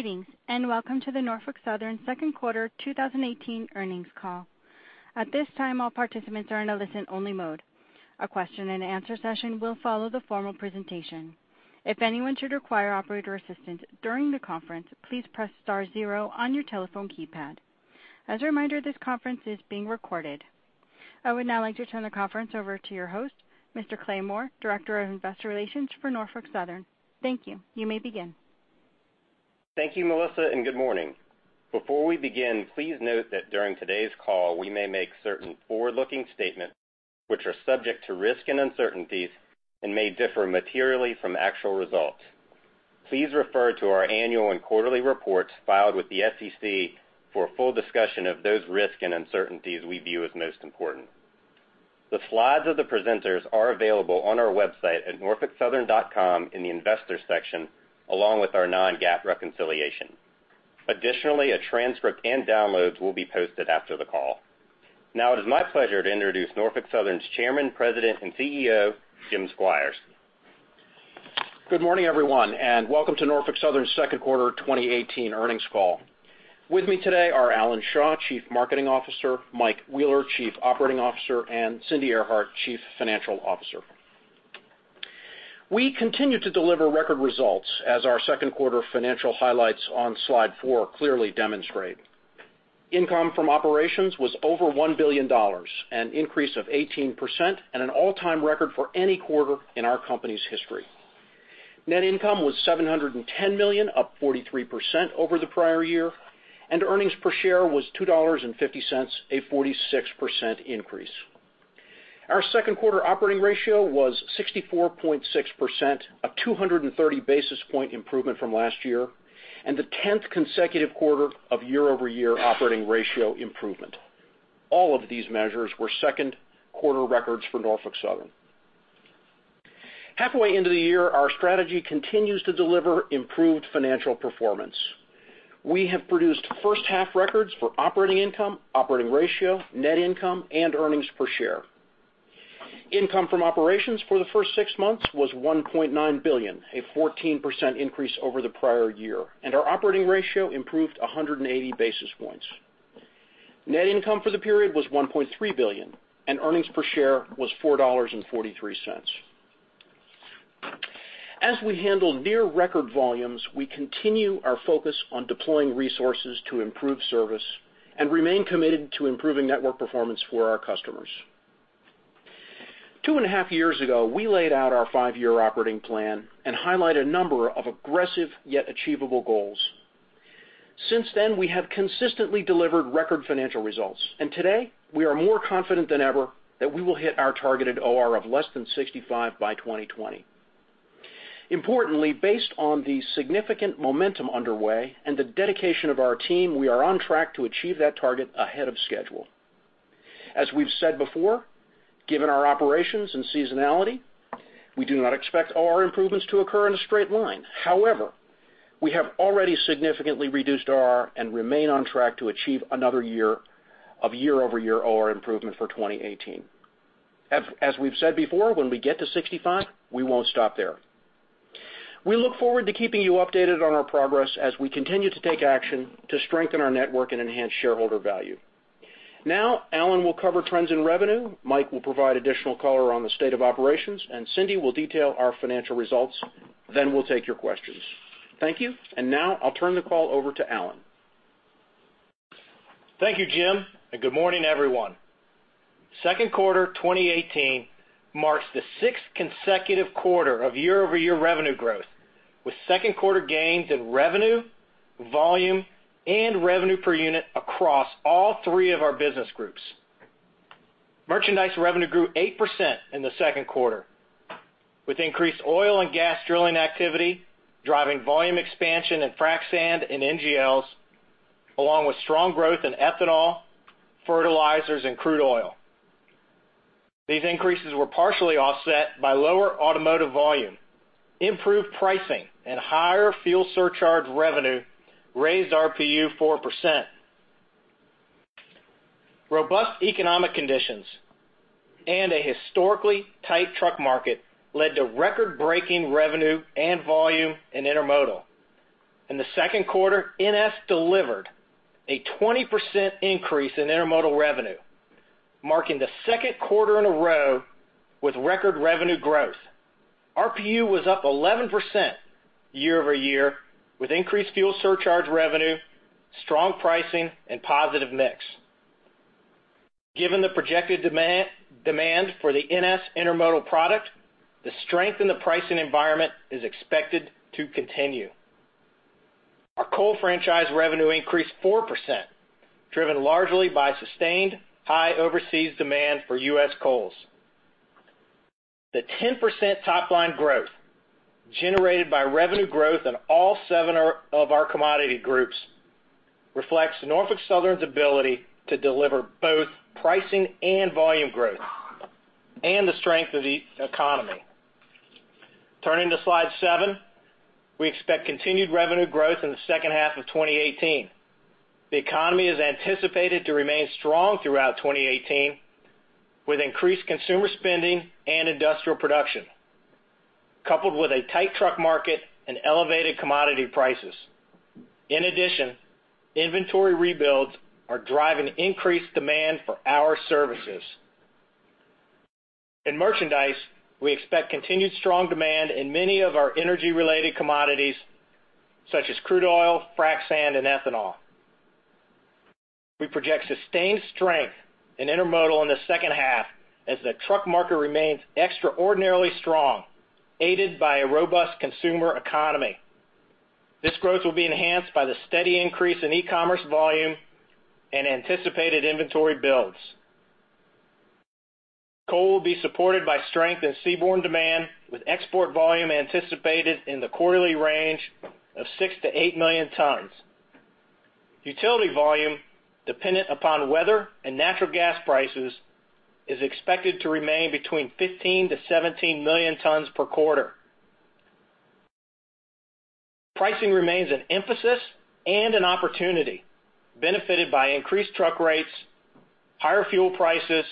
Greetings. Welcome to the Norfolk Southern Second Quarter 2018 Earnings Call. At this time, all participants are in a listen-only mode. A question-and-answer session will follow the formal presentation. If anyone should require operator assistance during the conference, please press star zero on your telephone keypad. As a reminder, this conference is being recorded. I would now like to turn the conference over to your host, Mr. Clay Moore, Director of Investor Relations for Norfolk Southern. Thank you. You may begin. Thank you, Melissa. Good morning. Before we begin, please note that during today's call, we may make certain forward-looking statements, which are subject to risks and uncertainties and may differ materially from actual results. Please refer to our annual and quarterly reports filed with the SEC for a full discussion of those risks and uncertainties we view as most important. The slides of the presenters are available on our website at norfolksouthern.com in the Investors section, along with our non-GAAP reconciliation. Additionally, a transcript and downloads will be posted after the call. Now it is my pleasure to introduce Norfolk Southern's Chairman, President, and CEO, Jim Squires. Good morning, everyone. Welcome to Norfolk Southern's second quarter 2018 earnings call. With me today are Alan Shaw, Chief Marketing Officer, Mike Wheeler, Chief Operating Officer, and Cindy Earhart, Chief Financial Officer. We continue to deliver record results as our second quarter financial highlights on Slide Four clearly demonstrate. Income from operations was over $1 billion, an increase of 18% and an all-time record for any quarter in our company's history. Net income was $710 million, up 43% over the prior year, and earnings per share was $2.50, a 46% increase. Our second quarter operating ratio was 64.6%, a 230-basis point improvement from last year and the tenth consecutive quarter of year-over-year operating ratio improvement. All of these measures were second-quarter records for Norfolk Southern. Halfway into the year, our strategy continues to deliver improved financial performance. We have produced first-half records for operating income, operating ratio, net income, and earnings per share. Income from operations for the first six months was $1.9 billion, a 14% increase over the prior year, and our operating ratio improved 180 basis points. Net income for the period was $1.3 billion, and earnings per share was $4.43. As we handle near record volumes, we continue our focus on deploying resources to improve service and remain committed to improving network performance for our customers. Two and a half years ago, we laid out our five-year operating plan and highlight a number of aggressive yet achievable goals. Since then, we have consistently delivered record financial results, and today we are more confident than ever that we will hit our targeted OR of less than 65 by 2020. Importantly, based on the significant momentum underway and the dedication of our team, we are on track to achieve that target ahead of schedule. As we've said before, given our operations and seasonality, we do not expect OR improvements to occur in a straight line. However, we have already significantly reduced OR and remain on track to achieve another year of year-over-year OR improvement for 2018. As we've said before, when we get to 65, we won't stop there. We look forward to keeping you updated on our progress as we continue to take action to strengthen our network and enhance shareholder value. Now, Alan will cover trends in revenue, Mike will provide additional color on the state of operations, and Cindy will detail our financial results. Then we'll take your questions. Thank you. Now I'll turn the call over to Alan. Thank you, Jim, and good morning, everyone. Second quarter 2018 marks the sixth consecutive quarter of year-over-year revenue growth, with second quarter gains in revenue, volume, and revenue per unit across all three of our business groups. Merchandise revenue grew 8% in the second quarter with increased oil and gas drilling activity, driving volume expansion in frac sand and NGLs, along with strong growth in ethanol, fertilizers, and crude oil. These increases were partially offset by lower automotive volume. Improved pricing and higher fuel surcharge revenue raised RPU 4%. Robust economic conditions and a historically tight truck market led to record-breaking revenue and volume in Intermodal. In the second quarter, NS delivered a 20% increase in Intermodal revenue, marking the second quarter in a row with record revenue growth. RPU was up 11% year-over-year with increased fuel surcharge revenue, strong pricing, and positive mix. Given the projected demand for the NS Intermodal product, the strength in the pricing environment is expected to continue. Our Coal franchise revenue increased 4%, driven largely by sustained high overseas demand for U.S. coals. The 10% top-line growth generated by revenue growth in all seven of our commodity groups reflects Norfolk Southern's ability to deliver both pricing and volume growth and the strength of the economy. Turning to Slide Seven, we expect continued revenue growth in the second half of 2018. The economy is anticipated to remain strong throughout 2018. With increased consumer spending and industrial production, coupled with a tight truck market and elevated commodity prices. In addition, inventory rebuilds are driving increased demand for our services. In merchandise, we expect continued strong demand in many of our energy-related commodities, such as crude oil, frac sand, and ethanol. We project sustained strength in Intermodal in the second half as the truck market remains extraordinarily strong, aided by a robust consumer economy. This growth will be enhanced by the steady increase in e-commerce volume and anticipated inventory builds. Coal will be supported by strength in seaborne demand, with export volume anticipated in the quarterly range of six million-eight million tons. Utility volume, dependent upon weather and natural gas prices, is expected to remain between 15 million-17 million tons per quarter. Pricing remains an emphasis and an opportunity, benefited by increased truck rates, higher fuel prices,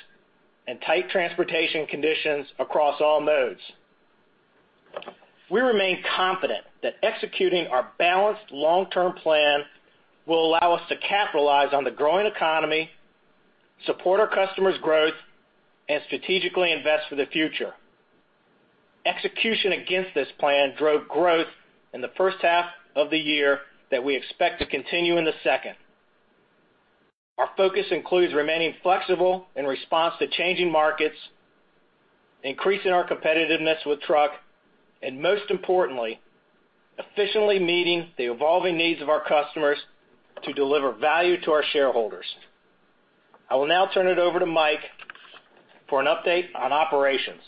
and tight transportation conditions across all modes. We remain confident that executing our balanced long-term plan will allow us to capitalize on the growing economy, support our customers' growth, and strategically invest for the future. Execution against this plan drove growth in the first half of the year that we expect to continue in the second. Our focus includes remaining flexible in response to changing markets, increasing our competitiveness with truck, and most importantly, efficiently meeting the evolving needs of our customers to deliver value to our shareholders. I will now turn it over to Mike for an update on operations.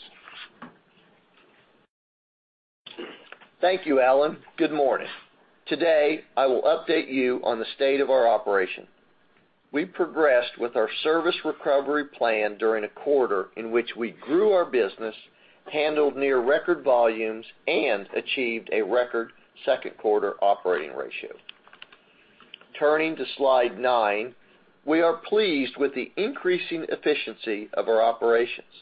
Thank you, Alan. Good morning. Today, I will update you on the state of our operation. We progressed with our service recovery plan during a quarter in which we grew our business, handled near record volumes, and achieved a record second quarter operating ratio. Turning to Slide 9, we are pleased with the increasing efficiency of our operations.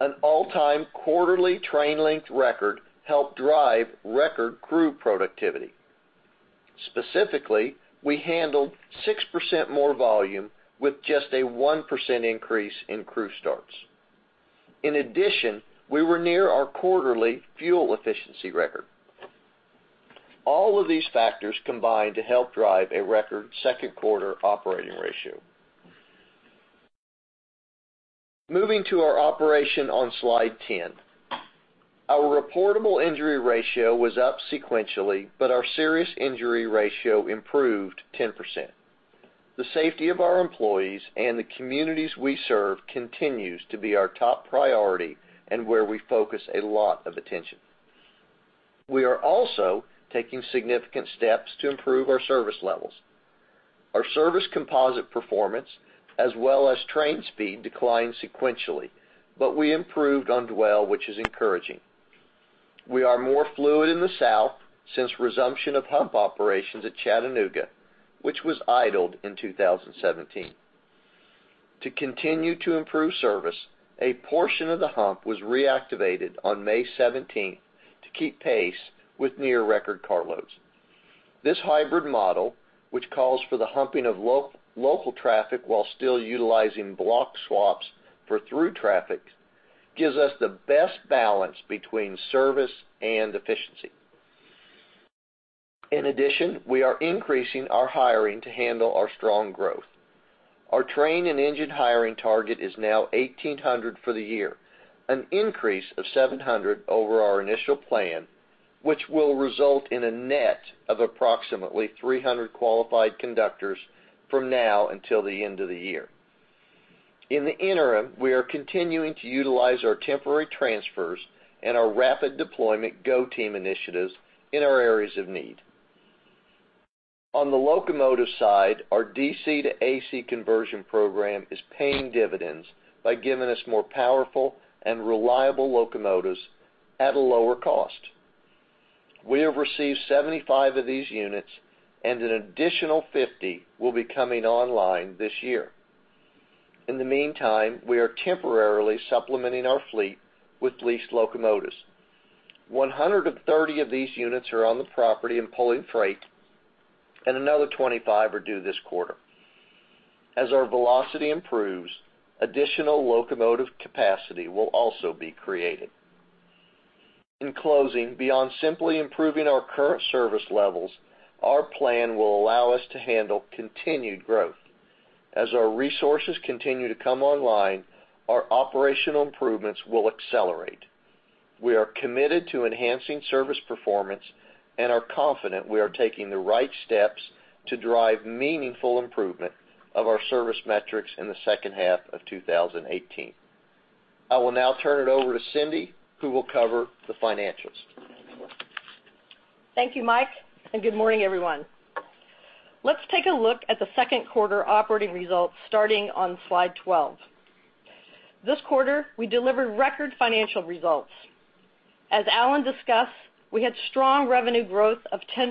An all-time quarterly train length record helped drive record crew productivity. Specifically, we handled 6% more volume with just a 1% increase in crew starts. In addition, we were near our quarterly fuel efficiency record. All of these factors combined to help drive a record second quarter operating ratio. Moving to our operation on Slide 10. Our reportable injury ratio was up sequentially, but our serious injury ratio improved 10%. The safety of our employees and the communities we serve continues to be our top priority and where we focus a lot of attention. We are also taking significant steps to improve our service levels. Our service composite performance, as well as train speed, declined sequentially, but we improved on dwell, which is encouraging. We are more fluid in the South since resumption of hump operations at Chattanooga, which was idled in 2017. To continue to improve service, a portion of the hump was reactivated on May 17th to keep pace with near record car loads. This hybrid model, which calls for the humping of local traffic while still utilizing block swaps for through traffic, gives us the best balance between service and efficiency. In addition, we are increasing our hiring to handle our strong growth. Our train and engine hiring target is now 1,800 for the year, an increase of 700 over our initial plan, which will result in a net of approximately 300 qualified conductors from now until the end of the year. In the interim, we are continuing to utilize our temporary transfers and our rapid deployment go team initiatives in our areas of need. On the locomotive side, our DC to AC conversion program is paying dividends by giving us more powerful and reliable locomotives at a lower cost. We have received 75 of these units, and an additional 50 will be coming online this year. In the meantime, we are temporarily supplementing our fleet with leased locomotives. 130 of these units are on the property and pulling freight, and another 25 are due this quarter. As our velocity improves, additional locomotive capacity will also be created. In closing, beyond simply improving our current service levels, our plan will allow us to handle continued growth. As our resources continue to come online, our operational improvements will accelerate. We are committed to enhancing service performance and are confident we are taking the right steps to drive meaningful improvement of our service metrics in the second half of 2018. I will now turn it over to Cindy, who will cover the financials. Thank you, Mike. Good morning, everyone. Let's take a look at the second quarter operating results starting on Slide 12. This quarter, we delivered record financial results. As Alan discussed, we had strong revenue growth of 10%,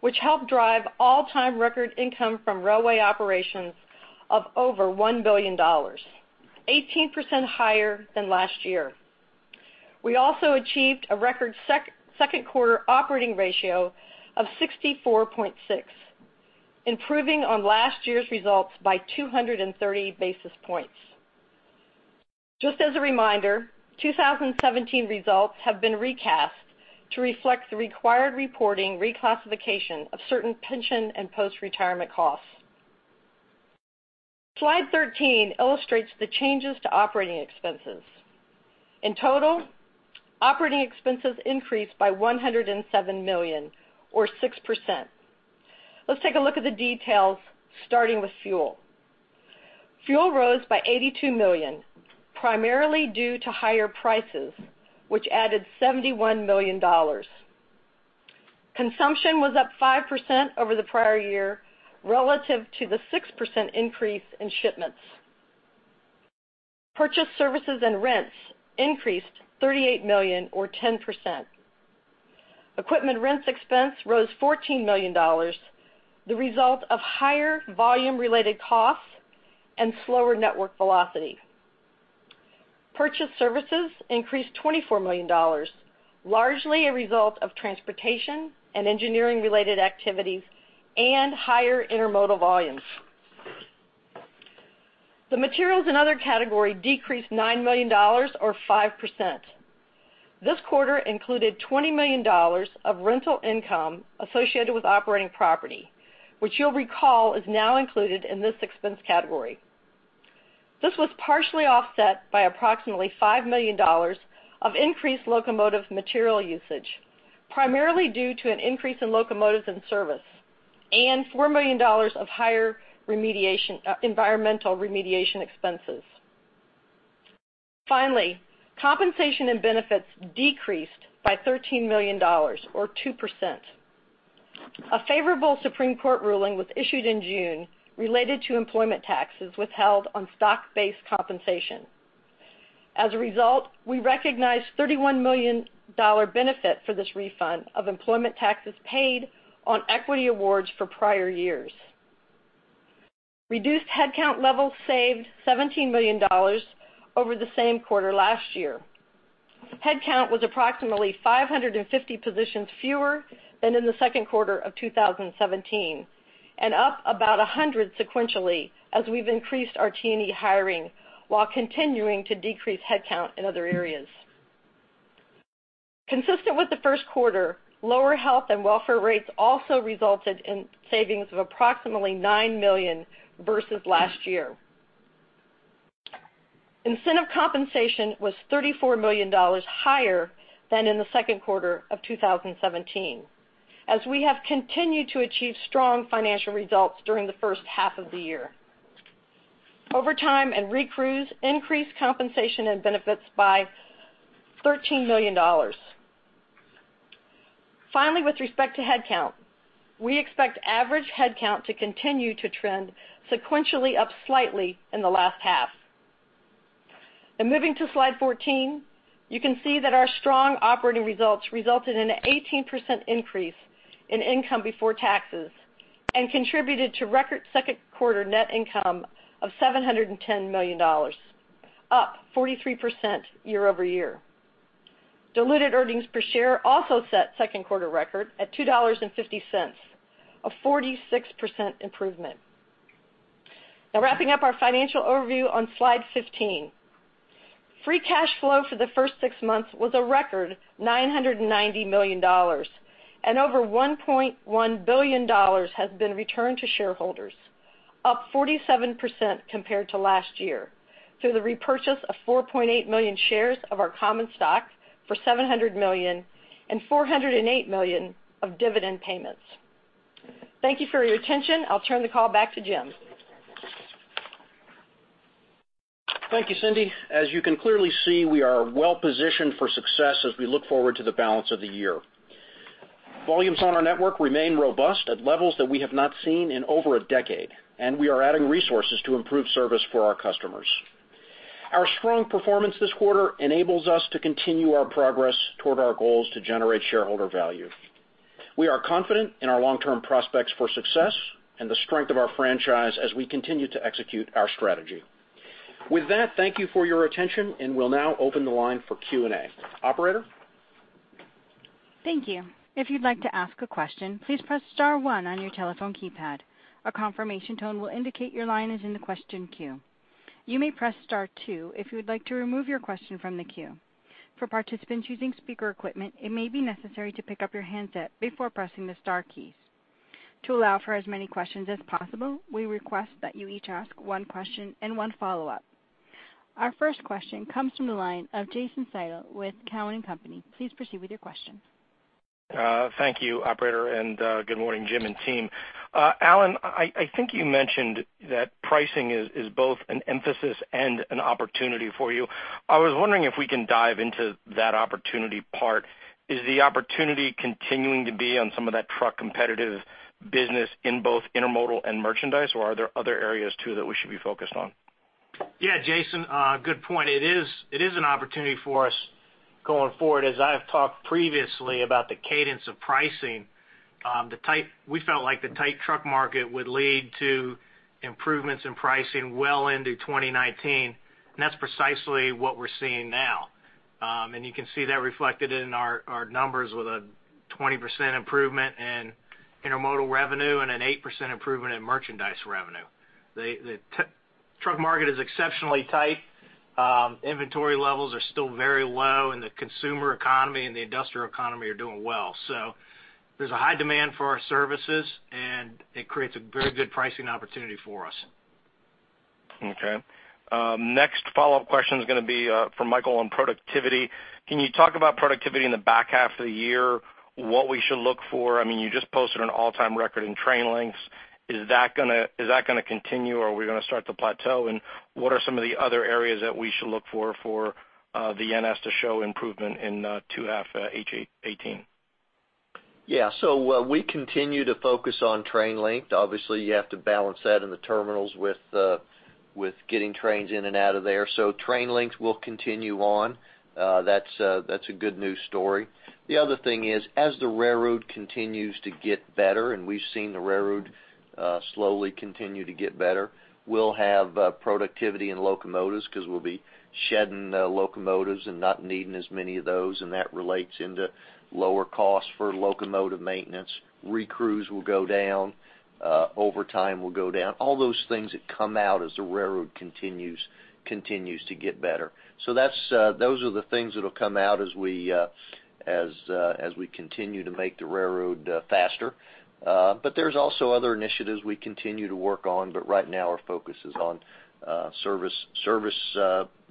which helped drive all-time record income from railway operations of over $1 billion, 18% higher than last year. We also achieved a record second quarter operating ratio of 64.6, improving on last year's results by 230 basis points. Just as a reminder, 2017 results have been recast to reflect the required reporting reclassification of certain pension and post-retirement costs. Slide 13 illustrates the changes to operating expenses. In total, operating expenses increased by $107 million or 6%. Let's take a look at the details, starting with fuel. Fuel rose by $82 million, primarily due to higher prices, which added $71 million. Consumption was up 5% over the prior year relative to the 6% increase in shipments. Purchased services and rents increased $38 million or 10%. Equipment rents expense rose $14 million, the result of higher volume-related costs and slower network velocity. Purchased services increased $24 million, largely a result of transportation and engineering-related activities and higher intermodal volumes. The materials and other category decreased $9 million or 5%. This quarter included $20 million of rental income associated with operating property, which you'll recall is now included in this expense category. This was partially offset by approximately $5 million of increased locomotive material usage, primarily due to an increase in locomotives in service and $4 million of higher environmental remediation expenses. Finally, compensation and benefits decreased by $13 million or 2%. A favorable Supreme Court ruling was issued in June related to employment taxes withheld on stock-based compensation. We recognized $31 million benefit for this refund of employment taxes paid on equity awards for prior years. Reduced headcount levels saved $17 million over the same quarter last year. Headcount was approximately 550 positions fewer than in the second quarter of 2017, and up about 100 sequentially as we've increased our T&E hiring while continuing to decrease headcount in other areas. Consistent with the first quarter, lower health and welfare rates also resulted in savings of approximately $9 million versus last year. Incentive compensation was $34 million higher than in the second quarter of 2017, as we have continued to achieve strong financial results during the first half of the year. Overtime and recrews increased compensation and benefits by $13 million. Finally, with respect to headcount, we expect average headcount to continue to trend sequentially up slightly in the last half. Moving to slide 14, you can see that our strong operating results resulted in an 18% increase in income before taxes and contributed to record second quarter net income of $710 million, up 43% year-over-year. Diluted earnings per share also set second quarter record at $2.50, a 46% improvement. Wrapping up our financial overview on slide 15. Free cash flow for the first six months was a record $990 million and over $1.1 billion has been returned to shareholders, up 47% compared to last year through the repurchase of 4.8 million shares of our common stock for $700 million and $408 million of dividend payments. Thank you for your attention. I'll turn the call back to Jim. Thank you, Cindy. As you can clearly see, we are well-positioned for success as we look forward to the balance of the year. Volumes on our network remain robust at levels that we have not seen in over a decade, and we are adding resources to improve service for our customers. Our strong performance this quarter enables us to continue our progress toward our goals to generate shareholder value. We are confident in our long-term prospects for success and the strength of our franchise as we continue to execute our strategy. With that, thank you for your attention, and we'll now open the line for Q&A. Operator? Thank you. If you'd like to ask a question, please press *1 on your telephone keypad. A confirmation tone will indicate your line is in the question queue. You may press *2 if you would like to remove your question from the queue. For participants using speaker equipment, it may be necessary to pick up your handset before pressing the star keys. To allow for as many questions as possible, we request that you each ask one question and one follow-up. Our first question comes from the line of Jason Seidl with Cowen and Company. Please proceed with your question. Thank you, operator. Good morning, Jim and team. Alan, I think you mentioned that pricing is both an emphasis and an opportunity for you. I was wondering if we can dive into that opportunity part. Is the opportunity continuing to be on some of that truck competitive business in both intermodal and merchandise, or are there other areas too that we should be focused on? Jason, good point. It is an opportunity for us going forward. As I have talked previously about the cadence of pricing, we felt like the tight truck market would lead to improvements in pricing well into 2019, and that's precisely what we're seeing now. You can see that reflected in our numbers with a 20% improvement in intermodal revenue and an 8% improvement in merchandise revenue. The truck market is exceptionally tight. Inventory levels are still very low, and the consumer economy and the industrial economy are doing well. There's a high demand for our services, and it creates a very good pricing opportunity for us. Next follow-up question is going to be from Michael on productivity. Can you talk about productivity in the back half of the year, what we should look for? You just posted an all-time record in train lengths. Is that going to continue, or are we going to start to plateau? What are some of the other areas that we should look for the NS to show improvement in 2H18? We continue to focus on train length. Obviously, you have to balance that in the terminals with getting trains in and out of there. Train lengths will continue on. That's a good news story. The other thing is, as the railroad continues to get better, and we've seen the railroad slowly continue to get better, we'll have productivity in locomotives because we'll be shedding locomotives and not needing as many of those, and that relates into lower costs for locomotive maintenance. Re-crews will go down, overtime will go down. All those things that come out as the railroad continues to get better. Those are the things that'll come out as we continue to make the railroad faster. There's also other initiatives we continue to work on, but right now our focus is on service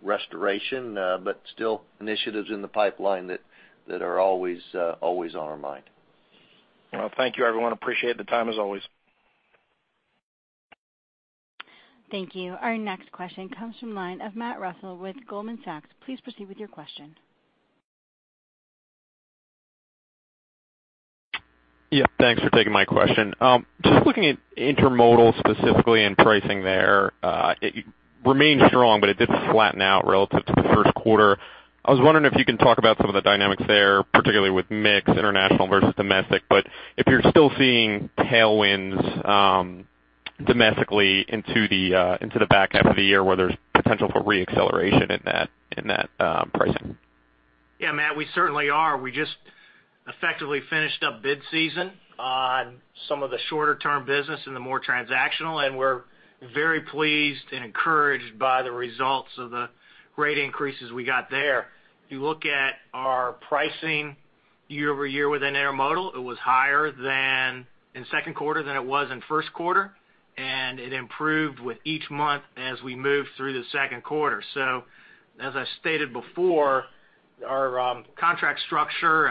restoration, but still initiatives in the pipeline that are always on our mind. Well, thank you, everyone. Appreciate the time as always. Thank you. Our next question comes from the line of Matthew Troy with Goldman Sachs. Please proceed with your question. Yeah, thanks for taking my question. Just looking at intermodal specifically and pricing there. It remains strong, but it did flatten out relative to the first quarter. I was wondering if you can talk about some of the dynamics there, particularly with mix, international versus domestic. If you're still seeing tailwinds domestically into the back half of the year, where there's potential for re-acceleration in that pricing. Yeah, Matt, we certainly are. We just effectively finished up bid season on some of the shorter-term business and the more transactional, and we're very pleased and encouraged by the results of the rate increases we got there. If you look at our pricing year-over-year within intermodal, it was higher in second quarter than it was in first quarter, and it improved with each month as we moved through the second quarter. As I stated before, our contract structure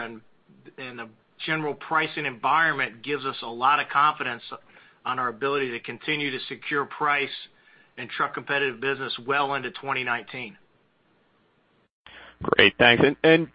and the general pricing environment gives us a lot of confidence on our ability to continue to secure price and truck competitive business well into 2019. Great, thanks.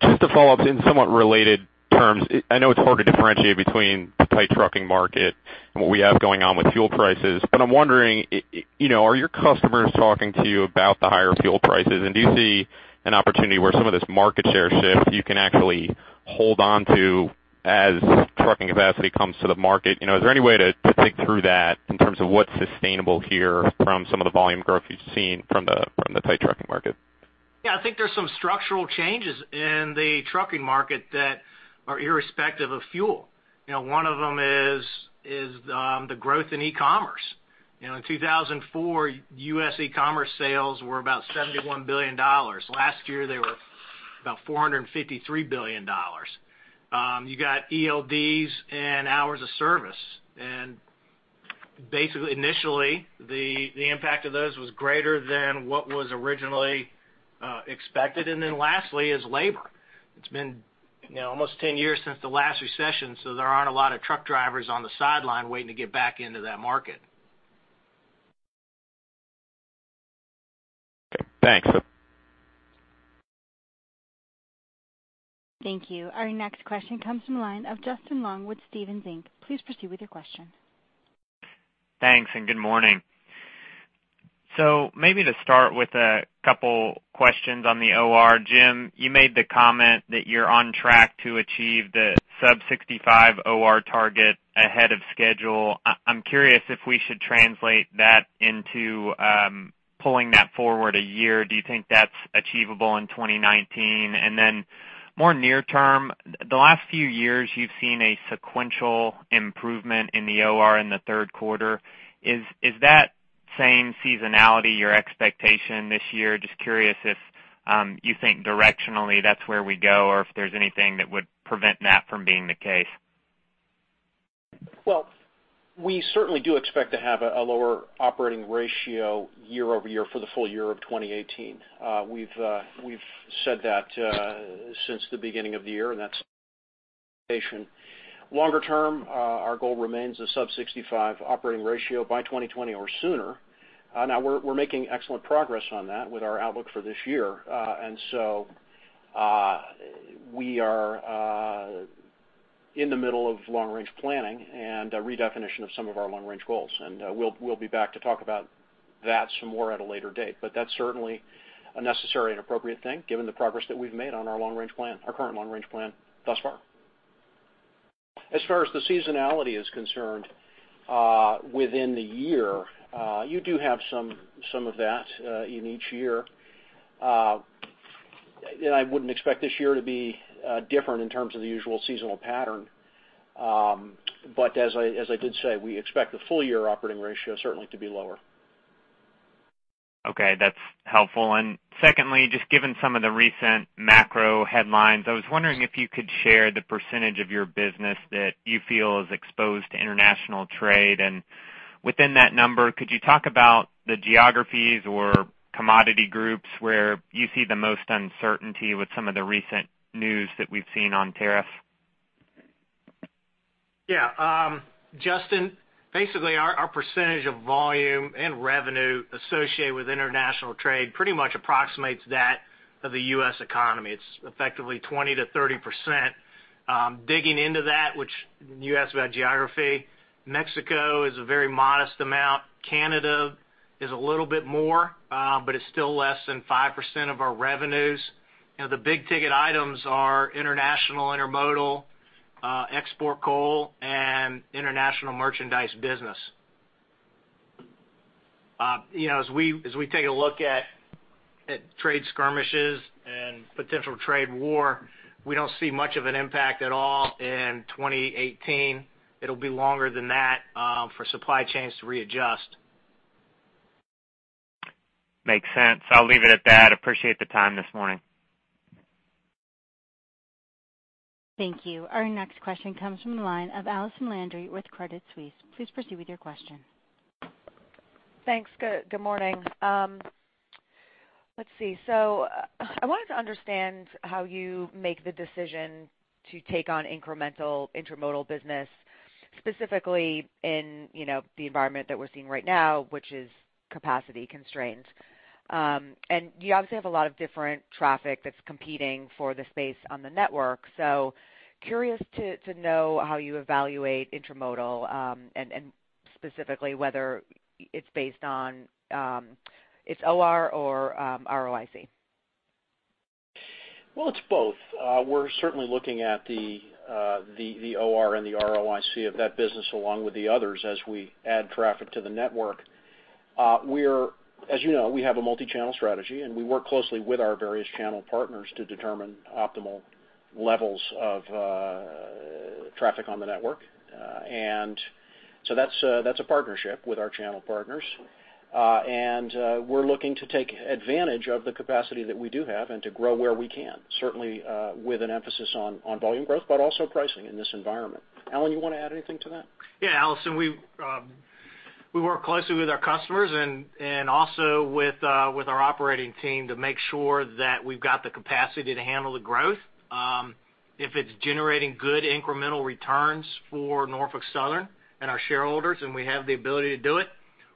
Just to follow up in somewhat related terms, I know it's hard to differentiate between the tight trucking market and what we have going on with fuel prices, but I'm wondering, are your customers talking to you about the higher fuel prices? Do you see an opportunity where some of this market share shift you can actually hold on to as trucking capacity comes to the market? Is there any way to think through that in terms of what's sustainable here from some of the volume growth you've seen from the tight trucking market? I think there's some structural changes in the trucking market that are irrespective of fuel. One of them is the growth in e-commerce. In 2004, U.S. e-commerce sales were about $71 billion. Last year, they were about $453 billion. You got ELDs and hours of service. Basically, initially, the impact of those was greater than what was originally expected. Then lastly is labor. It's been almost 10 years since the last recession, there aren't a lot of truck drivers on the sideline waiting to get back into that market. Thanks. Thank you. Our next question comes from the line of Justin Long with Stephens Inc. Please proceed with your question. Thanks, good morning. Maybe to start with a couple questions on the OR. Jim, you made the comment that you're on track to achieve the sub 65 OR target ahead of schedule. I'm curious if we should translate that into pulling that forward a year. Do you think that's achievable in 2019? More near term, the last few years, you've seen a sequential improvement in the OR in the third quarter. Is that same seasonality your expectation this year? Just curious if you think directionally that's where we go or if there's anything that would prevent that from being the case. We certainly do expect to have a lower operating ratio year-over-year for the full year of 2018. We've said that since the beginning of the year, that's longer term, our goal remains a sub 65 operating ratio by 2020 or sooner. We're making excellent progress on that with our outlook for this year. We are In the middle of long-range planning and a redefinition of some of our long-range goals. We'll be back to talk about that some more at a later date. That's certainly a necessary and appropriate thing given the progress that we've made on our current long-range plan thus far. As far as the seasonality is concerned within the year, you do have some of that in each year. I wouldn't expect this year to be different in terms of the usual seasonal pattern. As I did say, we expect the full-year operating ratio certainly to be lower. Okay. That's helpful. Secondly, just given some of the recent macro headlines, I was wondering if you could share the % of your business that you feel is exposed to international trade. Within that number, could you talk about the geographies or commodity groups where you see the most uncertainty with some of the recent news that we've seen on tariffs? Yeah. Justin, basically, our percentage of volume and revenue associated with international trade pretty much approximates that of the U.S. economy. It's effectively 20%-30%. Digging into that, which you asked about geography, Mexico is a very modest amount. Canada is a little bit more, but it's still less than 5% of our revenues. The big-ticket items are international intermodal, export coal and international merchandise business. As we take a look at trade skirmishes and potential trade war, we don't see much of an impact at all in 2018. It'll be longer than that for supply chains to readjust. Makes sense. I'll leave it at that. Appreciate the time this morning. Thank you. Our next question comes from the line of Allison Landry with Credit Suisse. Please proceed with your question. Thanks. Good morning. Let's see. I wanted to understand how you make the decision to take on incremental intermodal business, specifically in the environment that we're seeing right now, which is capacity constraints. You obviously have a lot of different traffic that's competing for the space on the network. Curious to know how you evaluate intermodal, and specifically, whether it's based on its OR or ROIC. Well, it's both. We're certainly looking at the OR and the ROIC of that business along with the others as we add traffic to the network. As you know, we have a multi-channel strategy, and we work closely with our various channel partners to determine optimal levels of traffic on the network. That's a partnership with our channel partners. We're looking to take advantage of the capacity that we do have and to grow where we can. Certainly, with an emphasis on volume growth, but also pricing in this environment. Alan, you want to add anything to that? Yeah, Allison, we work closely with our customers and also with our operating team to make sure that we've got the capacity to handle the growth. If it's generating good incremental returns for Norfolk Southern and our shareholders, and we have the ability to do it,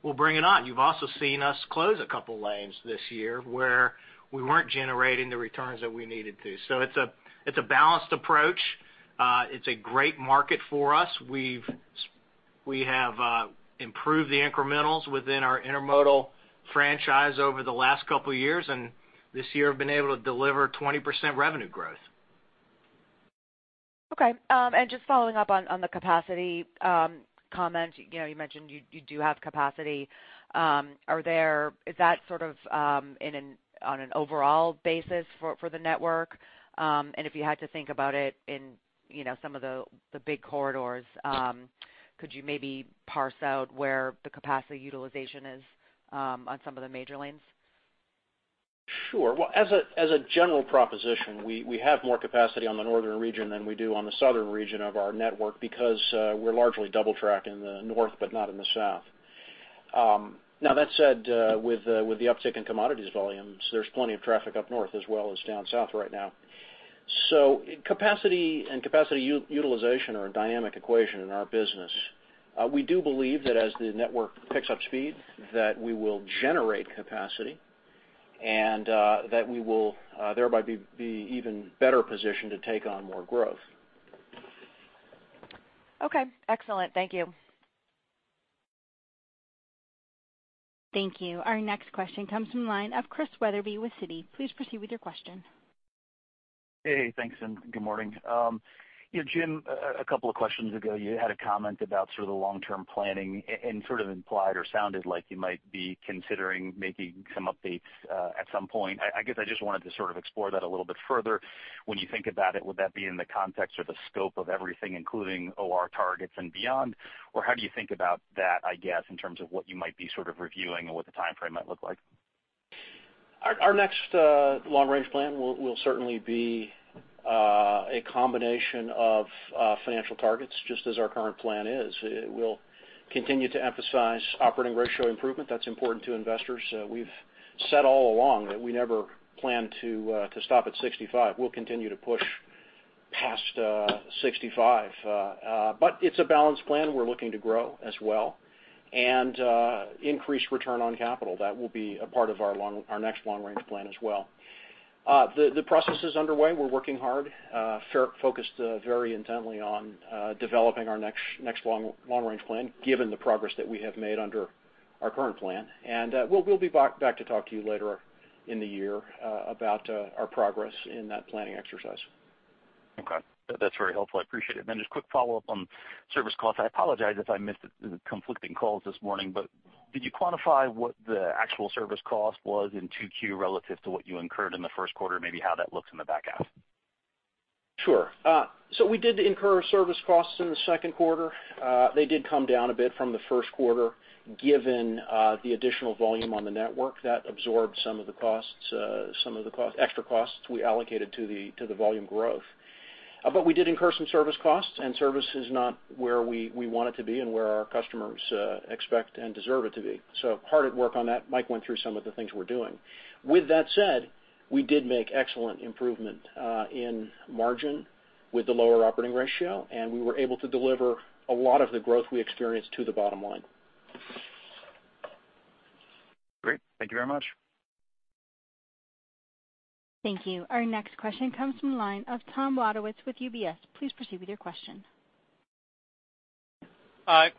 we'll bring it on. You've also seen us close a couple lanes this year where we weren't generating the returns that we needed to. It's a balanced approach. It's a great market for us. We have improved the incrementals within our intermodal franchise over the last couple of years, and this year have been able to deliver 20% revenue growth. Okay. Just following up on the capacity comment. You mentioned you do have capacity. Is that sort of on an overall basis for the network? If you had to think about it in some of the big corridors, could you maybe parse out where the capacity utilization is on some of the major lanes? Sure. Well, as a general proposition, we have more capacity on the northern region than we do on the southern region of our network because we're largely double-track in the north, but not in the south. Now that said, with the uptick in commodities volumes, there's plenty of traffic up north as well as down south right now. Capacity and capacity utilization are a dynamic equation in our business. We do believe that as the network picks up speed, that we will generate capacity and that we will thereby be even better positioned to take on more growth. Okay, excellent. Thank you. Thank you. Our next question comes from the line of Chris Wetherbee with Citi. Please proceed with your question. Hey, thanks. Good morning. Jim, a couple of questions ago, you had a comment about sort of the long-term planning and sort of implied or sounded like you might be considering making some updates at some point. I guess I just wanted to sort of explore that a little bit further. When you think about it, would that be in the context or the scope of everything, including OR targets and beyond? How do you think about that, I guess, in terms of what you might be sort of reviewing and what the timeframe might look like? Our next long-range plan will certainly be a combination of financial targets, just as our current plan is. It will continue to emphasize operating ratio improvement. That's important to investors. We've said all along that we never plan to stop at 65. We'll continue to push past 65. It's a balanced plan. We're looking to grow as well and increase return on capital. That will be a part of our next long-range plan as well. The process is underway. We're working hard, focused very intently on developing our next long-range plan, given the progress that we have made under our current plan. We'll be back to talk to you later in the year about our progress in that planning exercise. Okay. That's very helpful, I appreciate it. Just quick follow-up on service costs. I apologize if I missed it, conflicting calls this morning, but did you quantify what the actual service cost was in Q2 relative to what you incurred in the first quarter? Maybe how that looks in the back half. Sure. We did incur service costs in the second quarter. They did come down a bit from the first quarter, given the additional volume on the network that absorbed some of the extra costs we allocated to the volume growth. We did incur some service costs, and service is not where we want it to be and where our customers expect and deserve it to be. Hard at work on that. Mike went through some of the things we're doing. With that said, we did make excellent improvement in margin with the lower operating ratio, and we were able to deliver a lot of the growth we experienced to the bottom line. Great. Thank you very much. Thank you. Our next question comes from the line of Tom Wadewitz with UBS. Please proceed with your question. I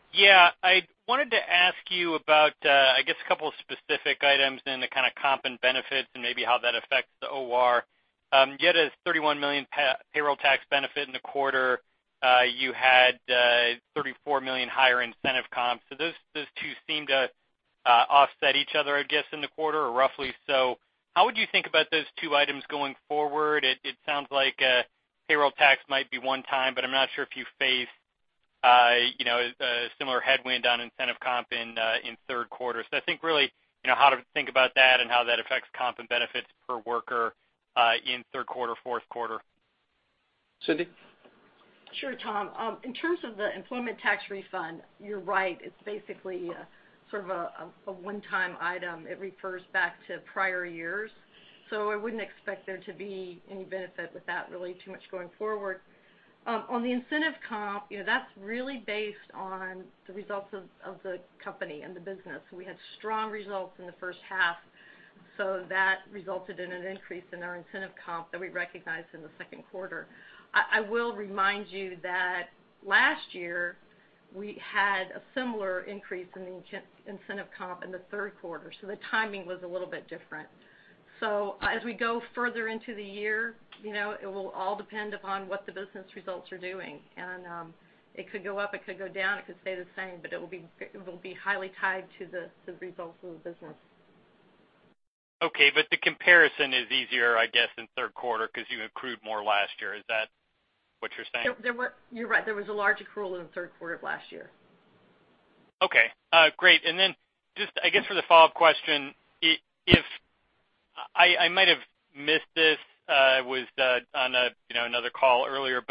wanted to ask you about, I guess, a couple of specific items in the kind of comp and benefits and maybe how that affects the OR. You had a $31 million payroll tax benefit in the quarter. You had $34 million higher incentive comp. Those two seem to offset each other, I guess, in the quarter, or roughly so. How would you think about those two items going forward? It sounds like payroll tax might be one-time, but I'm not sure if you face a similar headwind on incentive comp in third quarter. I think really, how to think about that and how that affects comp and benefits per worker in third quarter, fourth quarter. Cindy? Sure, Tom. In terms of the employment tax refund, you're right. It's basically sort of a one-time item. It refers back to prior years, I wouldn't expect there to be any benefit with that really too much going forward. On the incentive comp, that's really based on the results of the company and the business. We had strong results in the first half, That resulted in an increase in our incentive comp that we recognized in the second quarter. I will remind you that last year, we had a similar increase in the incentive comp in the third quarter, the timing was a little bit different. As we go further into the year, it will all depend upon what the business results are doing, and it could go up, it could go down, it could stay the same, but it will be highly tied to the results of the business. Okay, the comparison is easier, I guess, in third quarter because you accrued more last year. Is that what you're saying? You're right. There was a large accrual in the third quarter of last year. Okay. Great. Then just, I guess, for the follow-up question, I might have missed this. I was on another call earlier.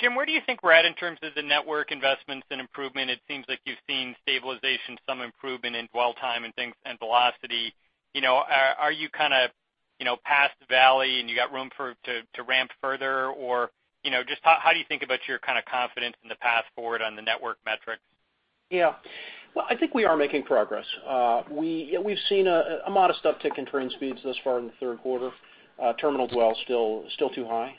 Jim, where do you think we're at in terms of the network investments and improvement? It seems like you've seen stabilization, some improvement in dwell time and things and velocity. Are you kind of past the valley and you got room to ramp further? Or just how do you think about your kind of confidence in the path forward on the network metrics? Yeah. Well, I think we are making progress. We've seen a modest uptick in train speeds thus far in the third quarter. Terminal dwell is still too high.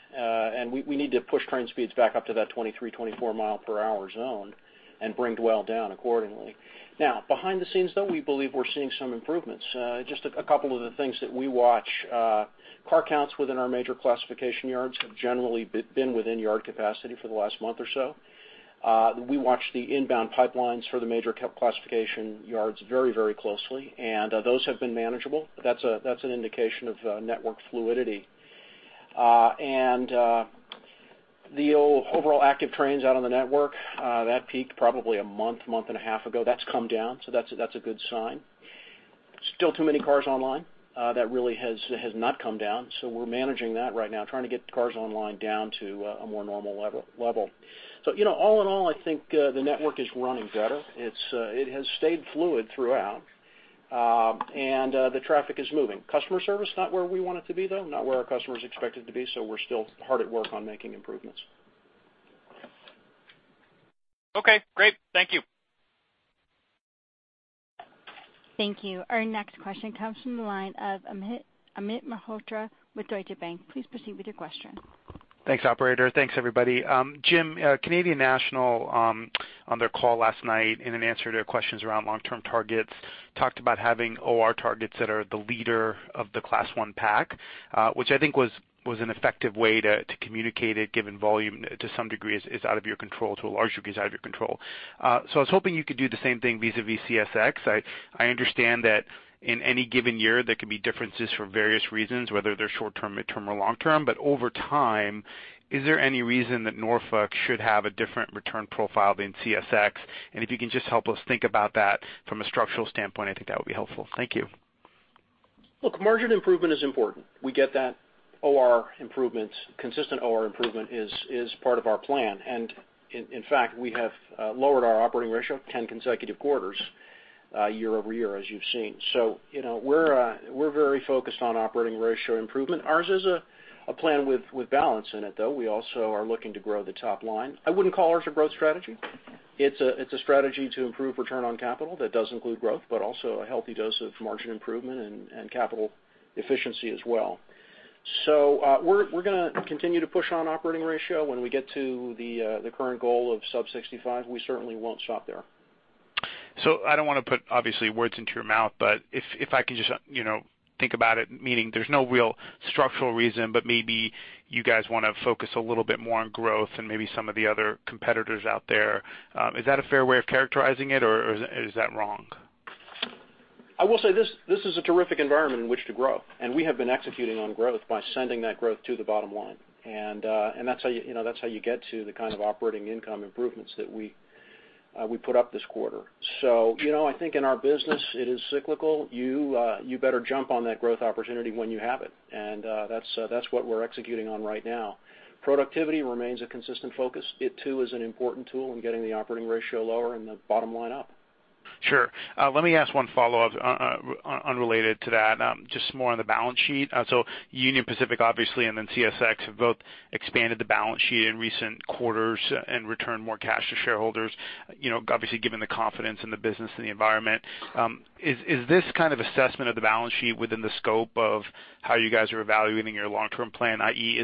We need to push train speeds back up to that 23, 24 mile per hour zone and bring dwell down accordingly. Now, behind the scenes, though, we believe we're seeing some improvements. Just a couple of the things that we watch. Car counts within our major classification yards have generally been within yard capacity for the last month or so. We watch the inbound pipelines for the major classification yards very closely, and those have been manageable. That's an indication of network fluidity. The overall active trains out on the network, that peaked probably a month and a half ago. That's come down, so that's a good sign. Still too many cars online. That really has not come down, we're managing that right now, trying to get the cars online down to a more normal level. All in all, I think the network is running better. It has stayed fluid throughout. The traffic is moving. Customer service, not where we want it to be, though, not where our customers expect it to be, so we're still hard at work on making improvements. Okay, great. Thank you. Thank you. Our next question comes from the line of Amit Mehrotra with Deutsche Bank. Please proceed with your question. Thanks, operator. Thanks, everybody. Jim, Canadian National, on their call last night in an answer to questions around long-term targets, talked about having OR targets that are the leader of the Class I pack, which I think was an effective way to communicate it, given volume to some degree is out of your control, to a large degree is out of your control. I was hoping you could do the same thing vis-à-vis CSX. I understand that in any given year, there can be differences for various reasons, whether they're short-term, mid-term, or long-term. Over time, is there any reason that Norfolk should have a different return profile than CSX? If you can just help us think about that from a structural standpoint, I think that would be helpful. Thank you. Look, margin improvement is important. We get that. Consistent OR improvement is part of our plan. In fact, we have lowered our operating ratio 10 consecutive quarters year-over-year, as you've seen. We're very focused on operating ratio improvement. Ours is a plan with balance in it, though. We also are looking to grow the top line. I wouldn't call ours a growth strategy. It's a strategy to improve return on capital that does include growth, but also a healthy dose of margin improvement and capital efficiency as well. We're going to continue to push on operating ratio when we get to the current goal of sub 65. We certainly won't stop there. I don't want to put, obviously, words into your mouth, but if I could just think about it, meaning there's no real structural reason, but maybe you guys want to focus a little bit more on growth and maybe some of the other competitors out there. Is that a fair way of characterizing it, or is that wrong? I will say this is a terrific environment in which to grow, and we have been executing on growth by sending that growth to the bottom line. That's how you get to the kind of operating income improvements that we put up this quarter. I think in our business, it is cyclical. You better jump on that growth opportunity when you have it. That's what we're executing on right now. Productivity remains a consistent focus. It too is an important tool in getting the operating ratio lower and the bottom line up. Sure. Let me ask one follow-up unrelated to that, just more on the balance sheet. Union Pacific, obviously, and then CSX have both expanded the balance sheet in recent quarters and returned more cash to shareholders, obviously given the confidence in the business and the environment. Is this kind of assessment of the balance sheet within the scope of how you guys are evaluating your long term plan, i.e.,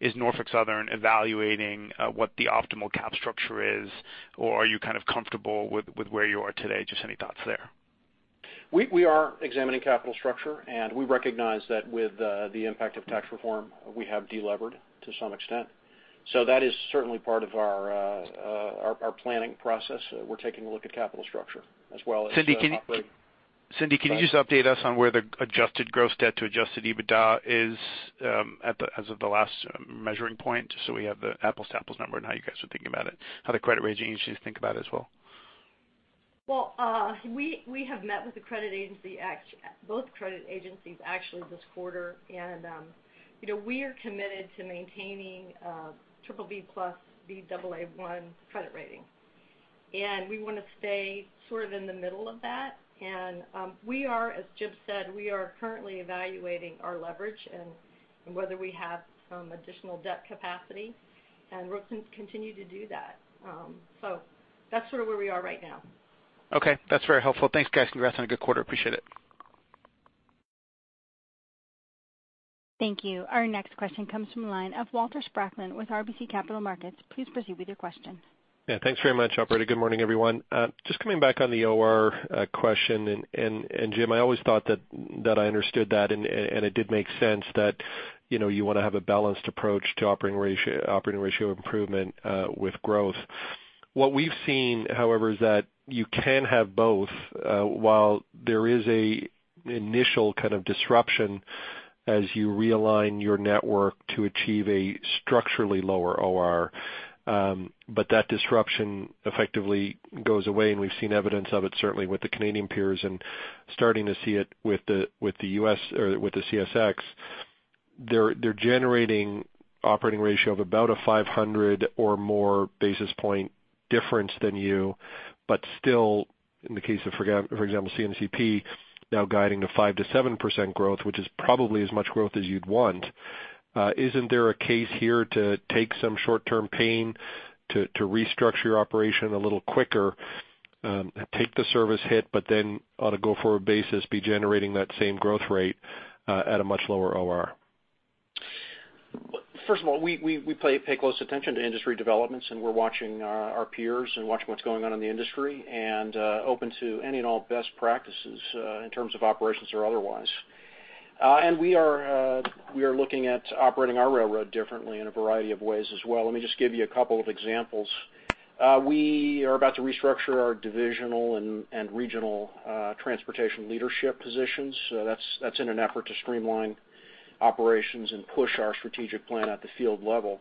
is Norfolk Southern evaluating what the optimal cap structure is, or are you kind of comfortable with where you are today? Just any thoughts there. We are examining capital structure, and we recognize that with the impact of tax reform, we have de-levered to some extent. That is certainly part of our planning process. We're taking a look at capital structure as well as. Cindy, can you just update us on where the adjusted gross debt to adjusted EBITDA is as of the last measuring point so we have the apples to apples number and how you guys are thinking about it, how the credit rating agencies think about it as well? Well, we have met with both credit agencies actually this quarter, we are committed to maintaining BBB+/Baa1 credit rating. We want to stay sort of in the middle of that. We are, as Jim Squires said, we are currently evaluating our leverage and whether we have some additional debt capacity, and we'll continue to do that. That's sort of where we are right now. Okay. That's very helpful. Thanks, guys. Congrats on a good quarter. Appreciate it. Thank you. Our next question comes from the line of Walter Spracklin with RBC Capital Markets. Please proceed with your question. Thanks very much, operator. Good morning, everyone. Just coming back on the OR question, Jim, I always thought that I understood that and it did make sense that you want to have a balanced approach to operating ratio improvement with growth. What we've seen, however, is that you can have both while there is an initial kind of disruption as you realign your network to achieve a structurally lower OR. That disruption effectively goes away, and we've seen evidence of it certainly with the Canadian peers and starting to see it with the CSX. They're generating operating ratio of about a 500 or more basis point difference than you, but still, in the case of, for example, CNCP, now guiding to 5%-7% growth, which is probably as much growth as you'd want. Isn't there a case here to take some short-term pain to restructure your operation a little quicker, take the service hit, then on a go-forward basis, be generating that same growth rate at a much lower OR? First of all, we pay close attention to industry developments, we're watching our peers and watching what's going on in the industry and open to any and all best practices in terms of operations or otherwise. We are looking at operating our railroad differently in a variety of ways as well. Let me just give you a couple of examples. We are about to restructure our divisional and regional transportation leadership positions. That's in an effort to streamline operations and push our strategic plan at the field level.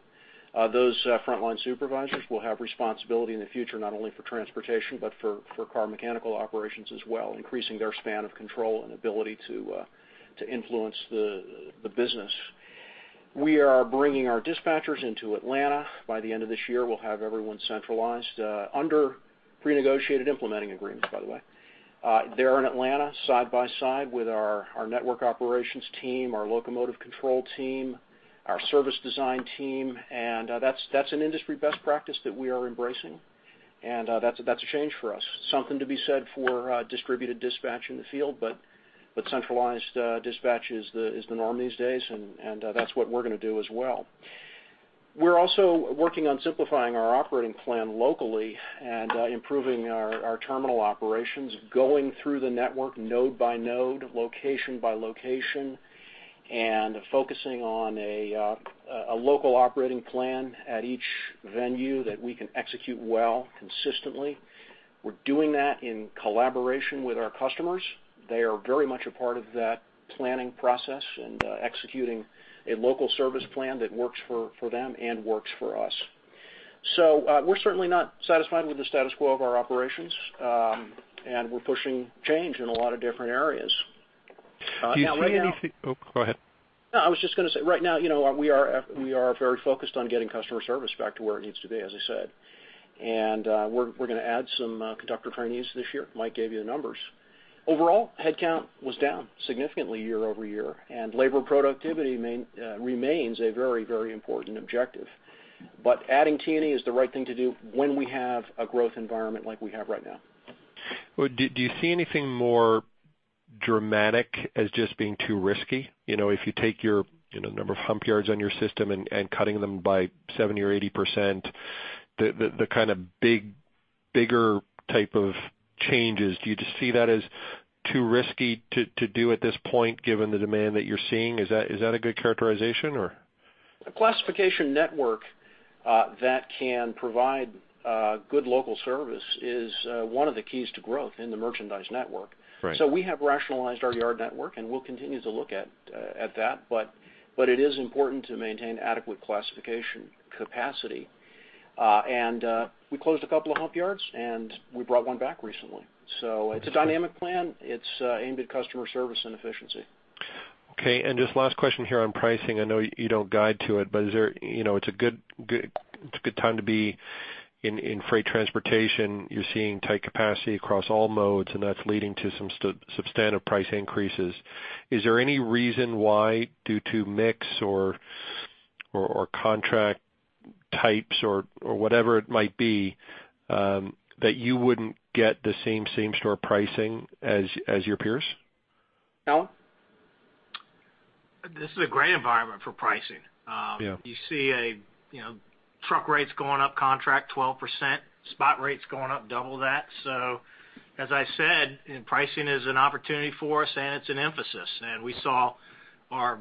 Those frontline supervisors will have responsibility in the future, not only for transportation, but for car mechanical operations as well, increasing their span of control and ability to influence the business. We are bringing our dispatchers into Atlanta. By the end of this year, we'll have everyone centralized under prenegotiated implementing agreements, by the way. They're in Atlanta side by side with our network operations team, our locomotive control team, our service design team, that's an industry best practice that we are embracing, and that's a change for us. Something to be said for distributed dispatch in the field, centralized dispatch is the norm these days, that's what we're going to do as well. We're also working on simplifying our operating plan locally and improving our terminal operations, going through the network node by node, location by location, and focusing on a local operating plan at each venue that we can execute well consistently. We're doing that in collaboration with our customers. They are very much a part of that planning process and executing a local service plan that works for them and works for us. We're certainly not satisfied with the status quo of our operations, and we're pushing change in a lot of different areas. Oh, go ahead. No, I was just going to say, right now we are very focused on getting customer service back to where it needs to be, as I said, and we're going to add some conductor trainees this year. Mike gave you the numbers. Overall, headcount was down significantly year-over-year, and labor productivity remains a very, very important objective. Adding T&E is the right thing to do when we have a growth environment like we have right now. Well, do you see anything more dramatic as just being too risky? If you take your number of hump yards on your system and cutting them by 70% or 80%, the kind of bigger type of changes, do you just see that as too risky to do at this point, given the demand that you're seeing? Is that a good characterization? A classification network that can provide good local service is one of the keys to growth in the merchandise network. Right. We have rationalized our yard network, and we'll continue to look at that. It is important to maintain adequate classification capacity. We closed a couple of hump yards, and we brought one back recently. It's a dynamic plan. It's aimed at customer service and efficiency. Okay, just last question here on pricing. I know you don't guide to it, but it's a good time to be in freight transportation. You're seeing tight capacity across all modes, and that's leading to some substantive price increases. Is there any reason why, due to mix or contract types or whatever it might be, that you wouldn't get the same store pricing as your peers? Alan? This is a great environment for pricing. Yeah. You see truck rates going up contract 12%, spot rates going up double that. As I said, pricing is an opportunity for us and it's an emphasis. We saw our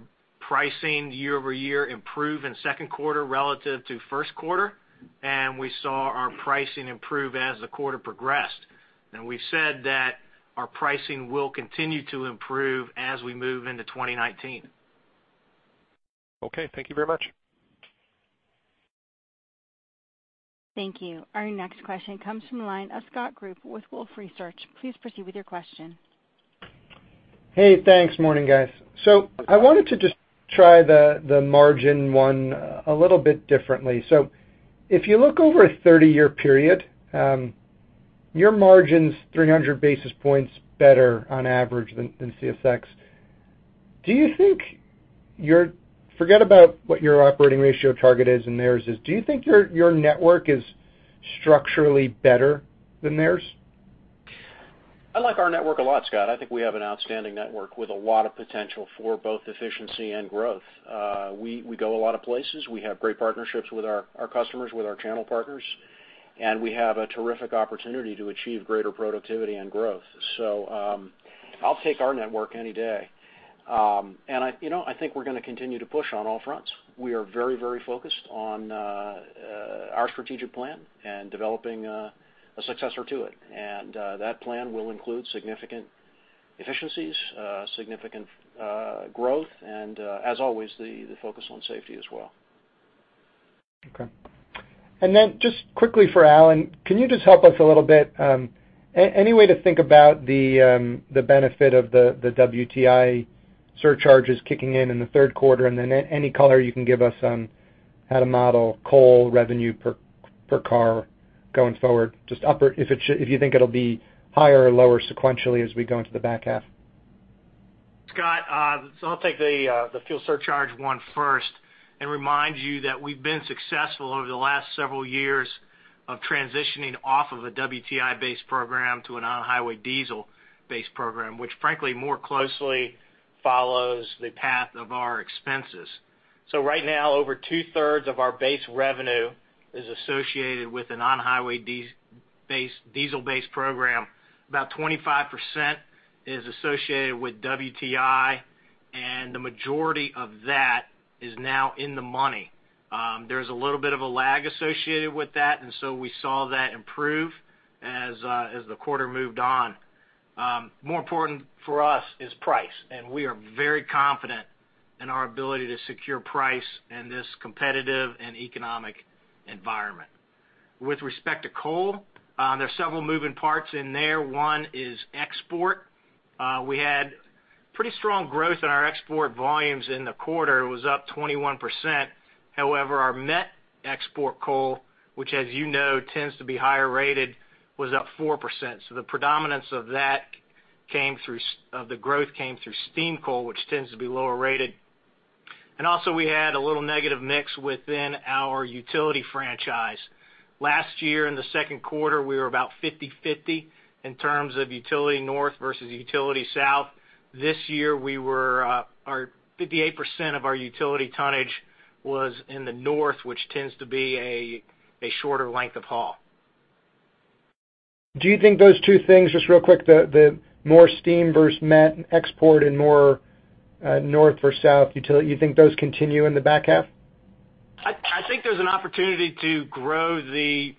pricing year-over-year improve in second quarter relative to first quarter, and we saw our pricing improve as the quarter progressed. We've said that our pricing will continue to improve as we move into 2019. Okay. Thank you very much. Thank you. Our next question comes from the line of Scott Group with Wolfe Research. Please proceed with your question. Hey, thanks. Morning, guys. I wanted to just try the margin one a little bit differently. If you look over a 30-year period, your margin's 300 basis points better on average than CSX. Forget about what your operating ratio target is and theirs is, do you think your network is structurally better than theirs? I like our network a lot, Scott. I think we have an outstanding network with a lot of potential for both efficiency and growth. We go a lot of places. We have great partnerships with our customers, with our channel partners, and we have a terrific opportunity to achieve greater productivity and growth. I'll take our network any day. I think we're going to continue to push on all fronts. We are very focused on our strategic plan and developing a successor to it. That plan will include significant efficiencies, significant growth, and as always, the focus on safety as well. Okay. Just quickly for Alan, can you just help us a little bit, any way to think about the benefit of the WTI surcharges kicking in in the third quarter, any color you can give us on how to model coal revenue per car going forward, if you think it'll be higher or lower sequentially as we go into the back half? Scott, I'll take the fuel surcharge one first and remind you that we've been successful over the last several years of transitioning off of a WTI-based program to an on-highway diesel-based program, which frankly more closely follows the path of our expenses. Right now, over two-thirds of our base revenue is associated with an on-highway diesel-based program. About 25% is associated with WTI, the majority of that is now in the money. There is a little bit of a lag associated with that, we saw that improve as the quarter moved on. More important for us is price, we are very confident in our ability to secure price in this competitive and economic environment. With respect to coal, there are several moving parts in there. One is export. We had pretty strong growth in our export volumes in the quarter. It was up 21%. Our met export coal, which as you know tends to be higher rated, was up 4%. The predominance of the growth came through steam coal, which tends to be lower rated. Also we had a little negative mix within our utility franchise. Last year in the second quarter, we were about 50/50 in terms of utility north versus utility south. This year, 58% of our utility tonnage was in the north, which tends to be a shorter length of haul. Do you think those two things, just real quick, the more steam versus met and export and more north versus south utility, you think those continue in the back half? I think there's an opportunity to grow the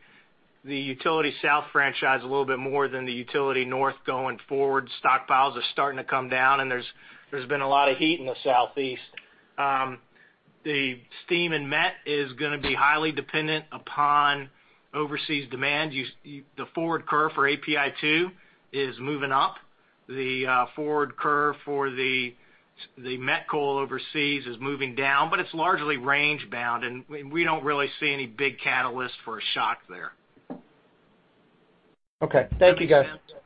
utility south franchise a little bit more than the utility north going forward. Stockpiles are starting to come down, and there's been a lot of heat in the southeast. The steam and met is going to be highly dependent upon overseas demand. The forward curve for API2 is moving up. The forward curve for the met coal overseas is moving down, but it's largely range bound, and we don't really see any big catalyst for a shock there. Okay. Thank you, guys. Does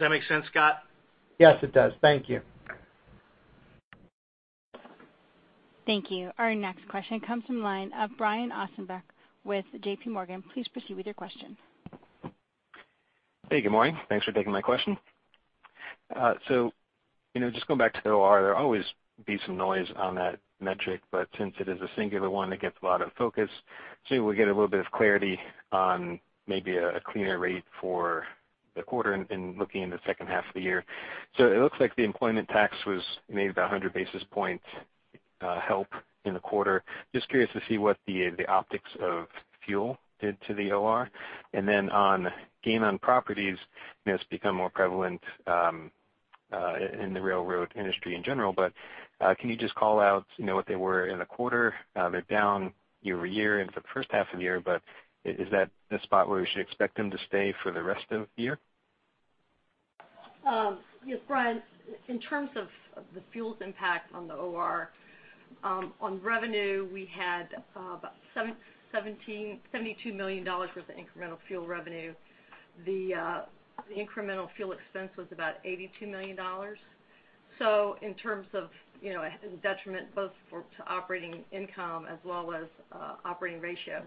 that make sense, Scott? Yes, it does. Thank you. Thank you. Our next question comes from the line of Brian Ossenbeck with JPMorgan. Please proceed with your question. Hey, good morning. Thanks for taking my question. Just going back to the OR, there will always be some noise on that metric, but since it is a singular one, it gets a lot of focus. We get a little bit of clarity on maybe a cleaner rate for the quarter and looking in the second half of the year. It looks like the employment tax was maybe the 100 basis point help in the quarter. Just curious to see what the optics of fuel did to the OR. On gain on properties, it has become more prevalent in the railroad industry in general, but, can you just call out what they were in the quarter? They are down year-over-year and for the first half of the year, but is that the spot where we should expect them to stay for the rest of the year? Yes, Brian, in terms of the fuel's impact on the OR, on revenue, we had about $72 million worth of incremental fuel revenue. The incremental fuel expense was about $82 million. In terms of a detriment both to operating income as well as operating ratio.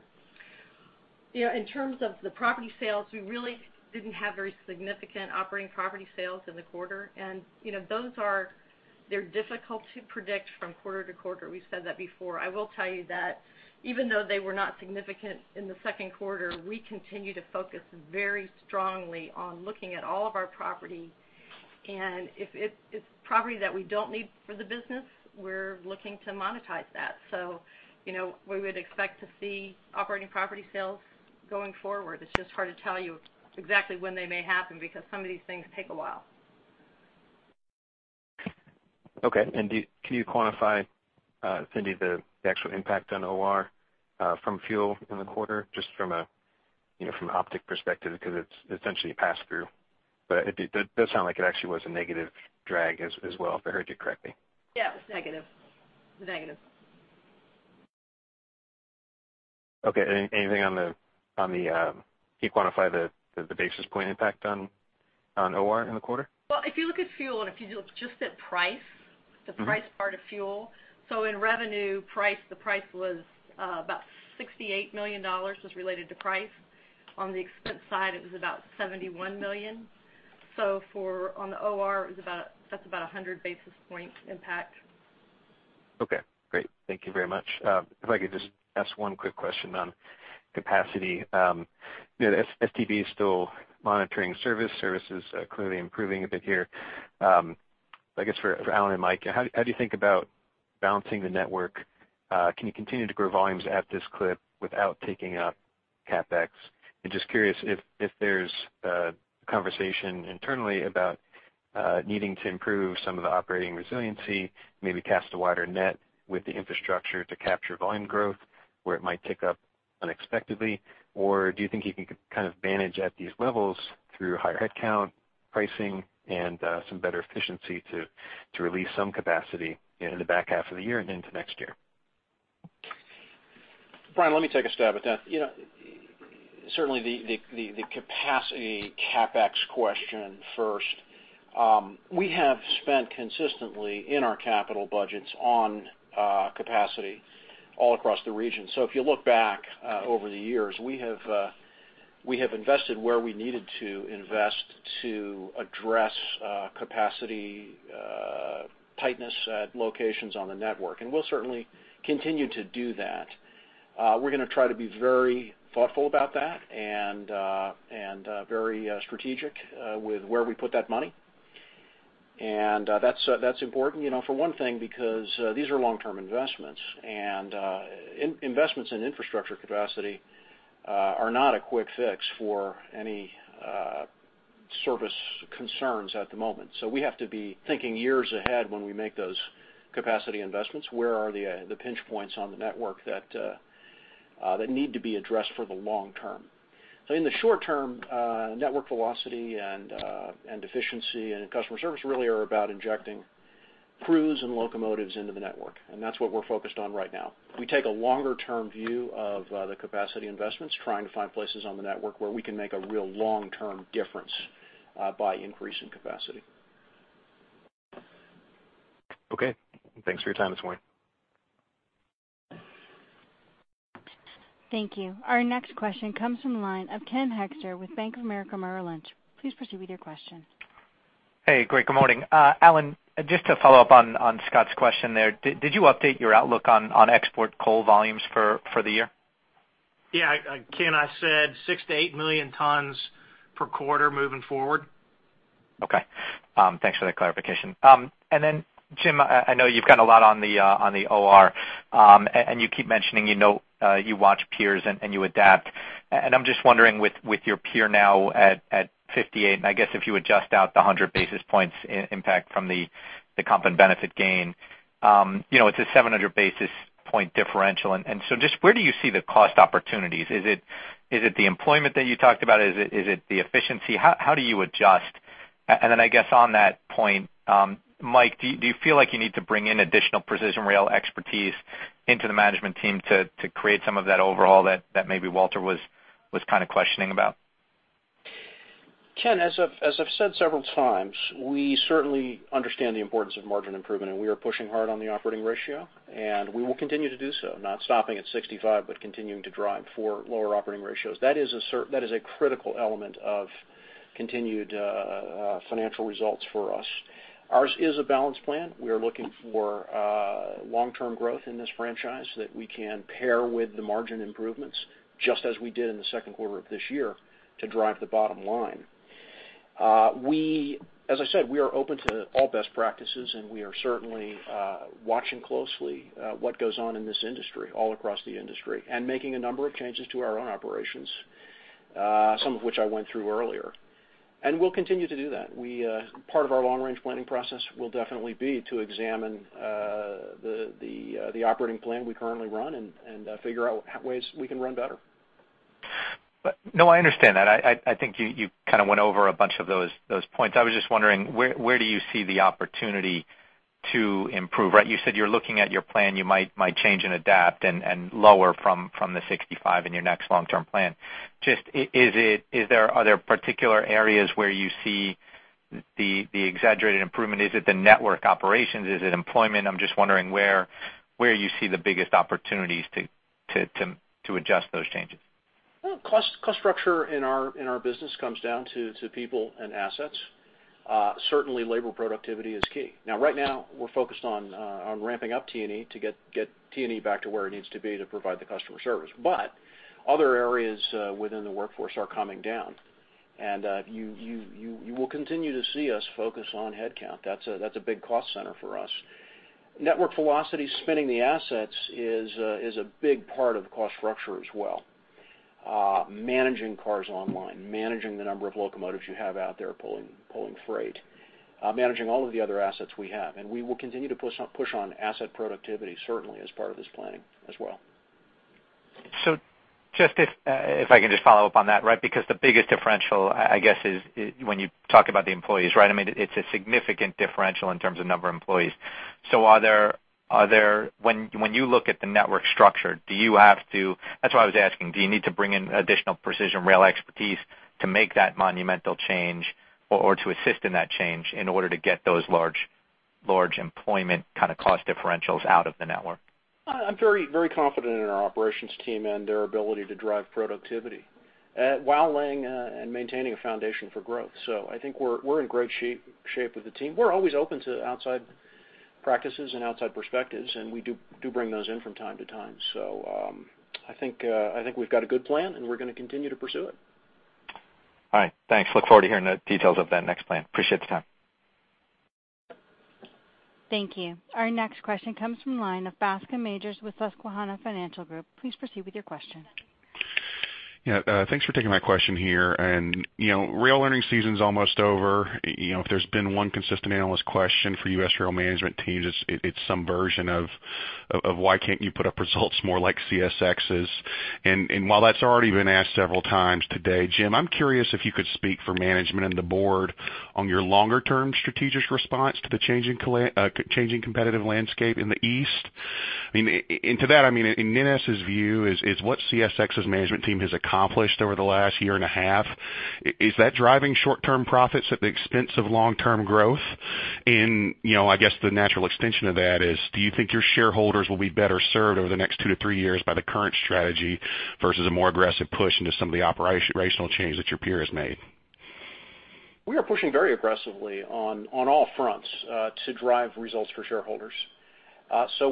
In terms of the property sales, we really didn't have very significant operating property sales in the quarter. They are difficult to predict from quarter to quarter. We've said that before. I will tell you that even though they were not significant in the second quarter, we continue to focus very strongly on looking at all of our property. If it's property that we don't need for the business, we're looking to monetize that. We would expect to see operating property sales going forward. It's just hard to tell you exactly when they may happen because some of these things take a while. Okay, can you quantify, Cindy, the actual impact on OR, from fuel in the quarter, just from an optic perspective, because it's essentially a pass-through. It does sound like it actually was a negative drag as well, if I heard you correctly. Yeah, it was negative. Okay. Anything on the can you quantify the basis point impact on OR in the quarter? Well, if you look at fuel and if you look just at price The price part of fuel, in revenue price, the price was about $68 million was related to price. On the expense side, it was about $71 million. On the OR, that's about 100 basis point impact. Okay, great. Thank you very much. If I could just ask one quick question on capacity. STB is still monitoring service. Service is clearly improving a bit here. I guess for Alan and Mike, how do you think about balancing the network? Can you continue to grow volumes at this clip without taking up CapEx? Just curious if there's a conversation internally about needing to improve some of the operating resiliency, maybe cast a wider net with the infrastructure to capture volume growth where it might tick up unexpectedly. Do you think you can manage at these levels through higher headcount, pricing, and some better efficiency to release some capacity in the back half of the year and into next year? Brian, let me take a stab at that. Certainly the capacity CapEx question first. We have spent consistently in our capital budgets on capacity all across the region. If you look back over the years, we have invested where we needed to invest to address capacity tightness at locations on the network, and we'll certainly continue to do that. We're going to try to be very thoughtful about that and very strategic with where we put that money. That's important, for one thing because these are long-term investments, and investments in infrastructure capacity are not a quick fix for any service concerns at the moment. We have to be thinking years ahead when we make those capacity investments. Where are the pinch points on the network that need to be addressed for the long term? In the short term, network velocity and efficiency and customer service really are about injecting crews and locomotives into the network, and that's what we're focused on right now. We take a longer-term view of the capacity investments, trying to find places on the network where we can make a real long-term difference by increasing capacity. Okay. Thanks for your time this morning. Thank you. Our next question comes from the line of Ken Hoexter with Bank of America Merrill Lynch. Please proceed with your question. Hey, great. Good morning. Alan, just to follow up on Scott's question there, did you update your outlook on export coal volumes for the year? Yeah, Ken, I said 6 million-8 million tons per quarter moving forward. Thanks for that clarification. Jim, I know you've got a lot on the OR, and you keep mentioning you watch peers and you adapt. I'm just wondering with your peer now at 58, and I guess if you adjust out the 100 basis points impact from the comp and benefit gain, it's a 700 basis point differential. Just where do you see the cost opportunities? Is it the employment that you talked about? Is it the efficiency? How do you adjust? Then I guess on that point, Mike, do you feel like you need to bring in additional Precision Rail expertise into the management team to create some of that overhaul that maybe Walter was questioning about? Ken, as I've said several times, we certainly understand the importance of margin improvement, and we are pushing hard on the operating ratio, and we will continue to do so, not stopping at 65, but continuing to drive for lower operating ratios. That is a critical element of continued financial results for us. Ours is a balanced plan. We are looking for long-term growth in this franchise that we can pair with the margin improvements, just as we did in the second quarter of this year to drive the bottom line. As I said, we are open to all best practices, and we are certainly watching closely what goes on in this industry, all across the industry, and making a number of changes to our own operations, some of which I went through earlier. We'll continue to do that. Part of our long-range planning process will definitely be to examine the operating plan we currently run and figure out ways we can run better. No, I understand that. I think you went over a bunch of those points. I was just wondering, where do you see the opportunity to improve? You said you're looking at your plan, you might change and adapt and lower from the 65% in your next long-term plan. Are there particular areas where you see the exaggerated improvement? Is it the network operations? Is it employment? I'm just wondering where you see the biggest opportunities to adjust those changes. Cost structure in our business comes down to people and assets. Certainly, labor productivity is key. Now, right now, we're focused on ramping up T&E to get T&E back to where it needs to be to provide the customer service. Other areas within the workforce are coming down, and you will continue to see us focus on headcount. That's a big cost center for us. Network velocity, spinning the assets is a big part of the cost structure as well. Managing cars online, managing the number of locomotives you have out there pulling freight, managing all of the other assets we have. We will continue to push on asset productivity, certainly as part of this planning as well. Just if I can just follow up on that, because the biggest differential, I guess, is when you talk about the employees. It's a significant differential in terms of number of employees. When you look at the network structure, that's why I was asking, do you need to bring in additional Precision Rail expertise to make that monumental change or to assist in that change in order to get those large employment cost differentials out of the network? I'm very confident in our operations team and their ability to drive productivity while laying and maintaining a foundation for growth. I think we're in great shape with the team. We're always open to outside practices and outside perspectives, and we do bring those in from time to time. I think we've got a good plan, and we're going to continue to pursue it. All right. Thanks. Look forward to hearing the details of that next plan. Appreciate the time. Thank you. Our next question comes from the line of Bascome Majors with Susquehanna Financial Group. Please proceed with your question. Yeah, thanks for taking my question here. Rail earning season's almost over. If there's been one consistent analyst question for U.S. Rail management teams, it's some version of, why can't you put up results more like CSX's? While that's already been asked several times today, Jim, I'm curious if you could speak for management and the board on your longer-term strategic response to the changing competitive landscape in the East. To that, in NS's view, is what CSX's management team has accomplished over the last year and a half, is that driving short-term profits at the expense of long-term growth? I guess the natural extension of that is, do you think your shareholders will be better served over the next two to three years by the current strategy versus a more aggressive push into some of the operational change that your peer has made? We are pushing very aggressively on all fronts to drive results for shareholders.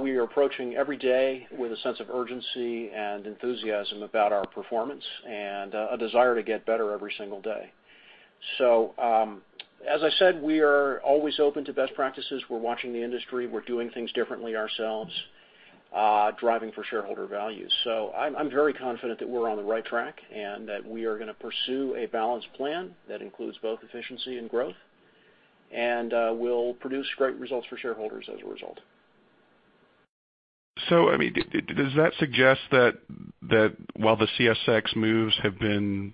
We are approaching every day with a sense of urgency and enthusiasm about our performance and a desire to get better every single day. As I said, we are always open to best practices. We're watching the industry. We're doing things differently ourselves, driving for shareholder value. I'm very confident that we're on the right track and that we are going to pursue a balanced plan that includes both efficiency and growth, and we'll produce great results for shareholders as a result. Does that suggest that while the CSX moves have been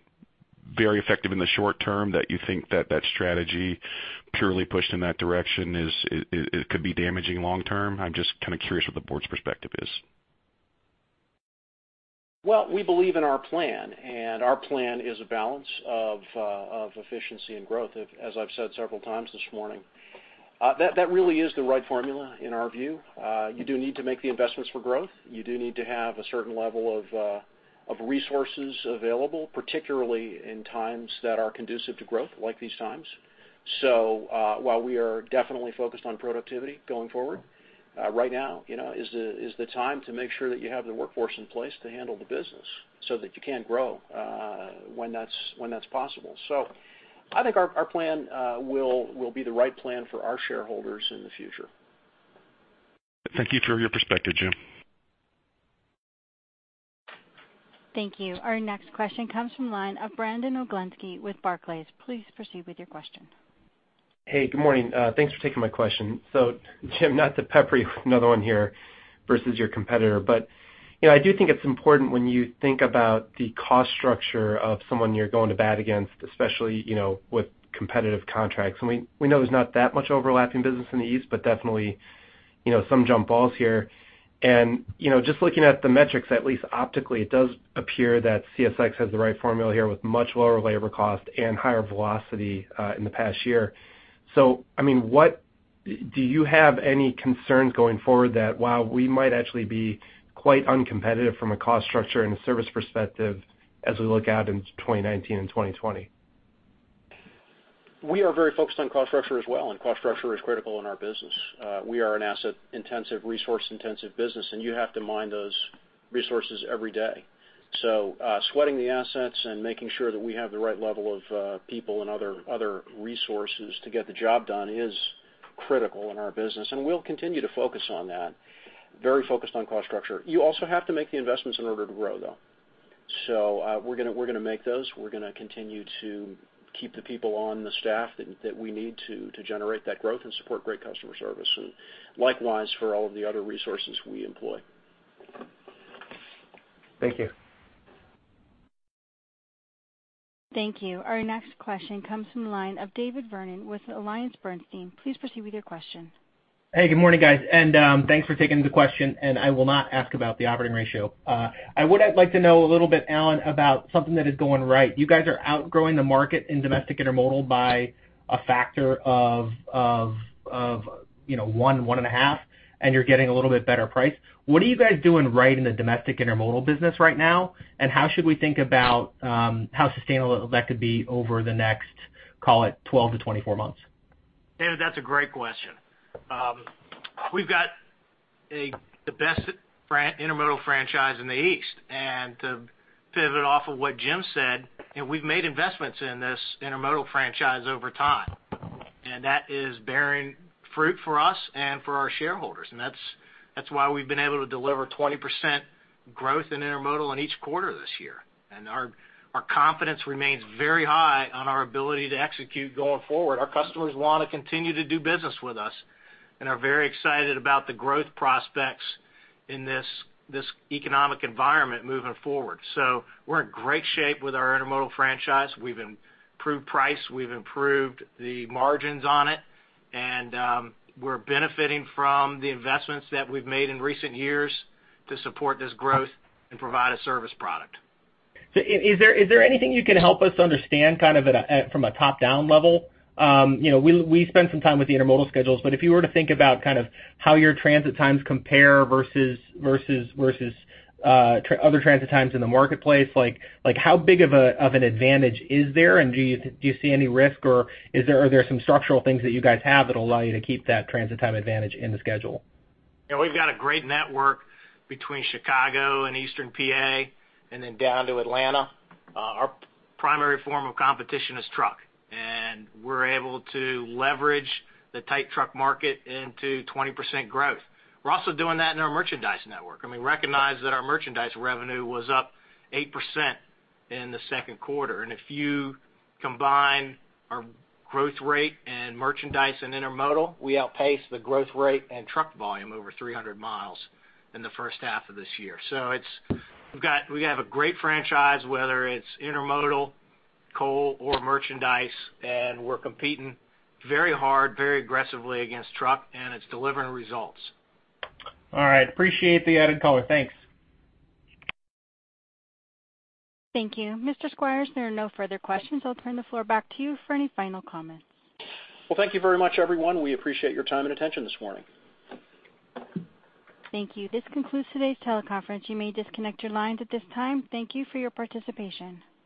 very effective in the short term, that you think that strategy purely pushed in that direction could be damaging long term? I'm just curious what the board's perspective is. Well, we believe in our plan, and our plan is a balance of efficiency and growth, as I've said several times this morning. That really is the right formula in our view. You do need to make the investments for growth. You do need to have a certain level of resources available, particularly in times that are conducive to growth, like these times. While we are definitely focused on productivity going forward, right now is the time to make sure that you have the workforce in place to handle the business so that you can grow when that's possible. I think our plan will be the right plan for our shareholders in the future. Thank you for your perspective, Jim. Thank you. Our next question comes from the line of Brandon Oglenski with Barclays. Please proceed with your question. Hey, good morning. Thanks for taking my question. Jim, not to pepper you with another one here versus your competitor, but I do think it's important when you think about the cost structure of someone you're going to bat against, especially with competitive contracts. We know there's not that much overlapping business in the East, but definitely Some jump balls here. Just looking at the metrics, at least optically, it does appear that CSX has the right formula here with much lower labor cost and higher velocity in the past year. Do you have any concerns going forward that while we might actually be quite uncompetitive from a cost structure and a service perspective as we look out into 2019 and 2020? We are very focused on cost structure as well, cost structure is critical in our business. We are an asset intensive, resource intensive business, you have to mine those resources every day. Sweating the assets and making sure that we have the right level of people and other resources to get the job done is critical in our business, we'll continue to focus on that. Very focused on cost structure. You also have to make the investments in order to grow, though. We're going to make those. We're going to continue to keep the people on the staff that we need to generate that growth and support great customer service, likewise for all of the other resources we employ. Thank you. Thank you. Our next question comes from the line of David Vernon with AllianceBernstein. Please proceed with your question. Hey, good morning, guys, thanks for taking the question. I will not ask about the operating ratio. I would like to know a little bit, Alan, about something that is going right. You guys are outgrowing the market in domestic intermodal by a factor of one and a half, and you're getting a little bit better price. What are you guys doing right in the domestic intermodal business right now, and how should we think about how sustainable that could be over the next, call it 12 to 24 months? David, that's a great question. We've got the best intermodal franchise in the East, and to pivot off of what Jim said, we've made investments in this intermodal franchise over time, and that is bearing fruit for us and for our shareholders. That's why we've been able to deliver 20% growth in intermodal in each quarter this year. Our confidence remains very high on our ability to execute going forward. Our customers want to continue to do business with us and are very excited about the growth prospects in this economic environment moving forward. We're in great shape with our intermodal franchise. We've improved price, we've improved the margins on it, and we're benefiting from the investments that we've made in recent years to support this growth and provide a service product. Is there anything you can help us understand from a top-down level? We spend some time with the intermodal schedules, but if you were to think about how your transit times compare versus other transit times in the marketplace, how big of an advantage is there, and do you see any risk, or are there some structural things that you guys have that allow you to keep that transit time advantage in the schedule? We've got a great network between Chicago and eastern P.A. and then down to Atlanta. Our primary form of competition is truck, and we're able to leverage the tight truck market into 20% growth. We're also doing that in our merchandise network. I mean, recognize that our merchandise revenue was up 8% in the second quarter. If you combine our growth rate in merchandise and intermodal, we outpace the growth rate and truck volume over 300 miles in the first half of this year. We have a great franchise, whether it's intermodal, coal, or merchandise, and we're competing very hard, very aggressively against truck, and it's delivering results. All right. Appreciate the added color. Thanks. Thank you. Mr. Squires, there are no further questions. I'll turn the floor back to you for any final comments. Well, thank you very much, everyone. We appreciate your time and attention this morning. Thank you. This concludes today's teleconference. You may disconnect your lines at this time. Thank you for your participation.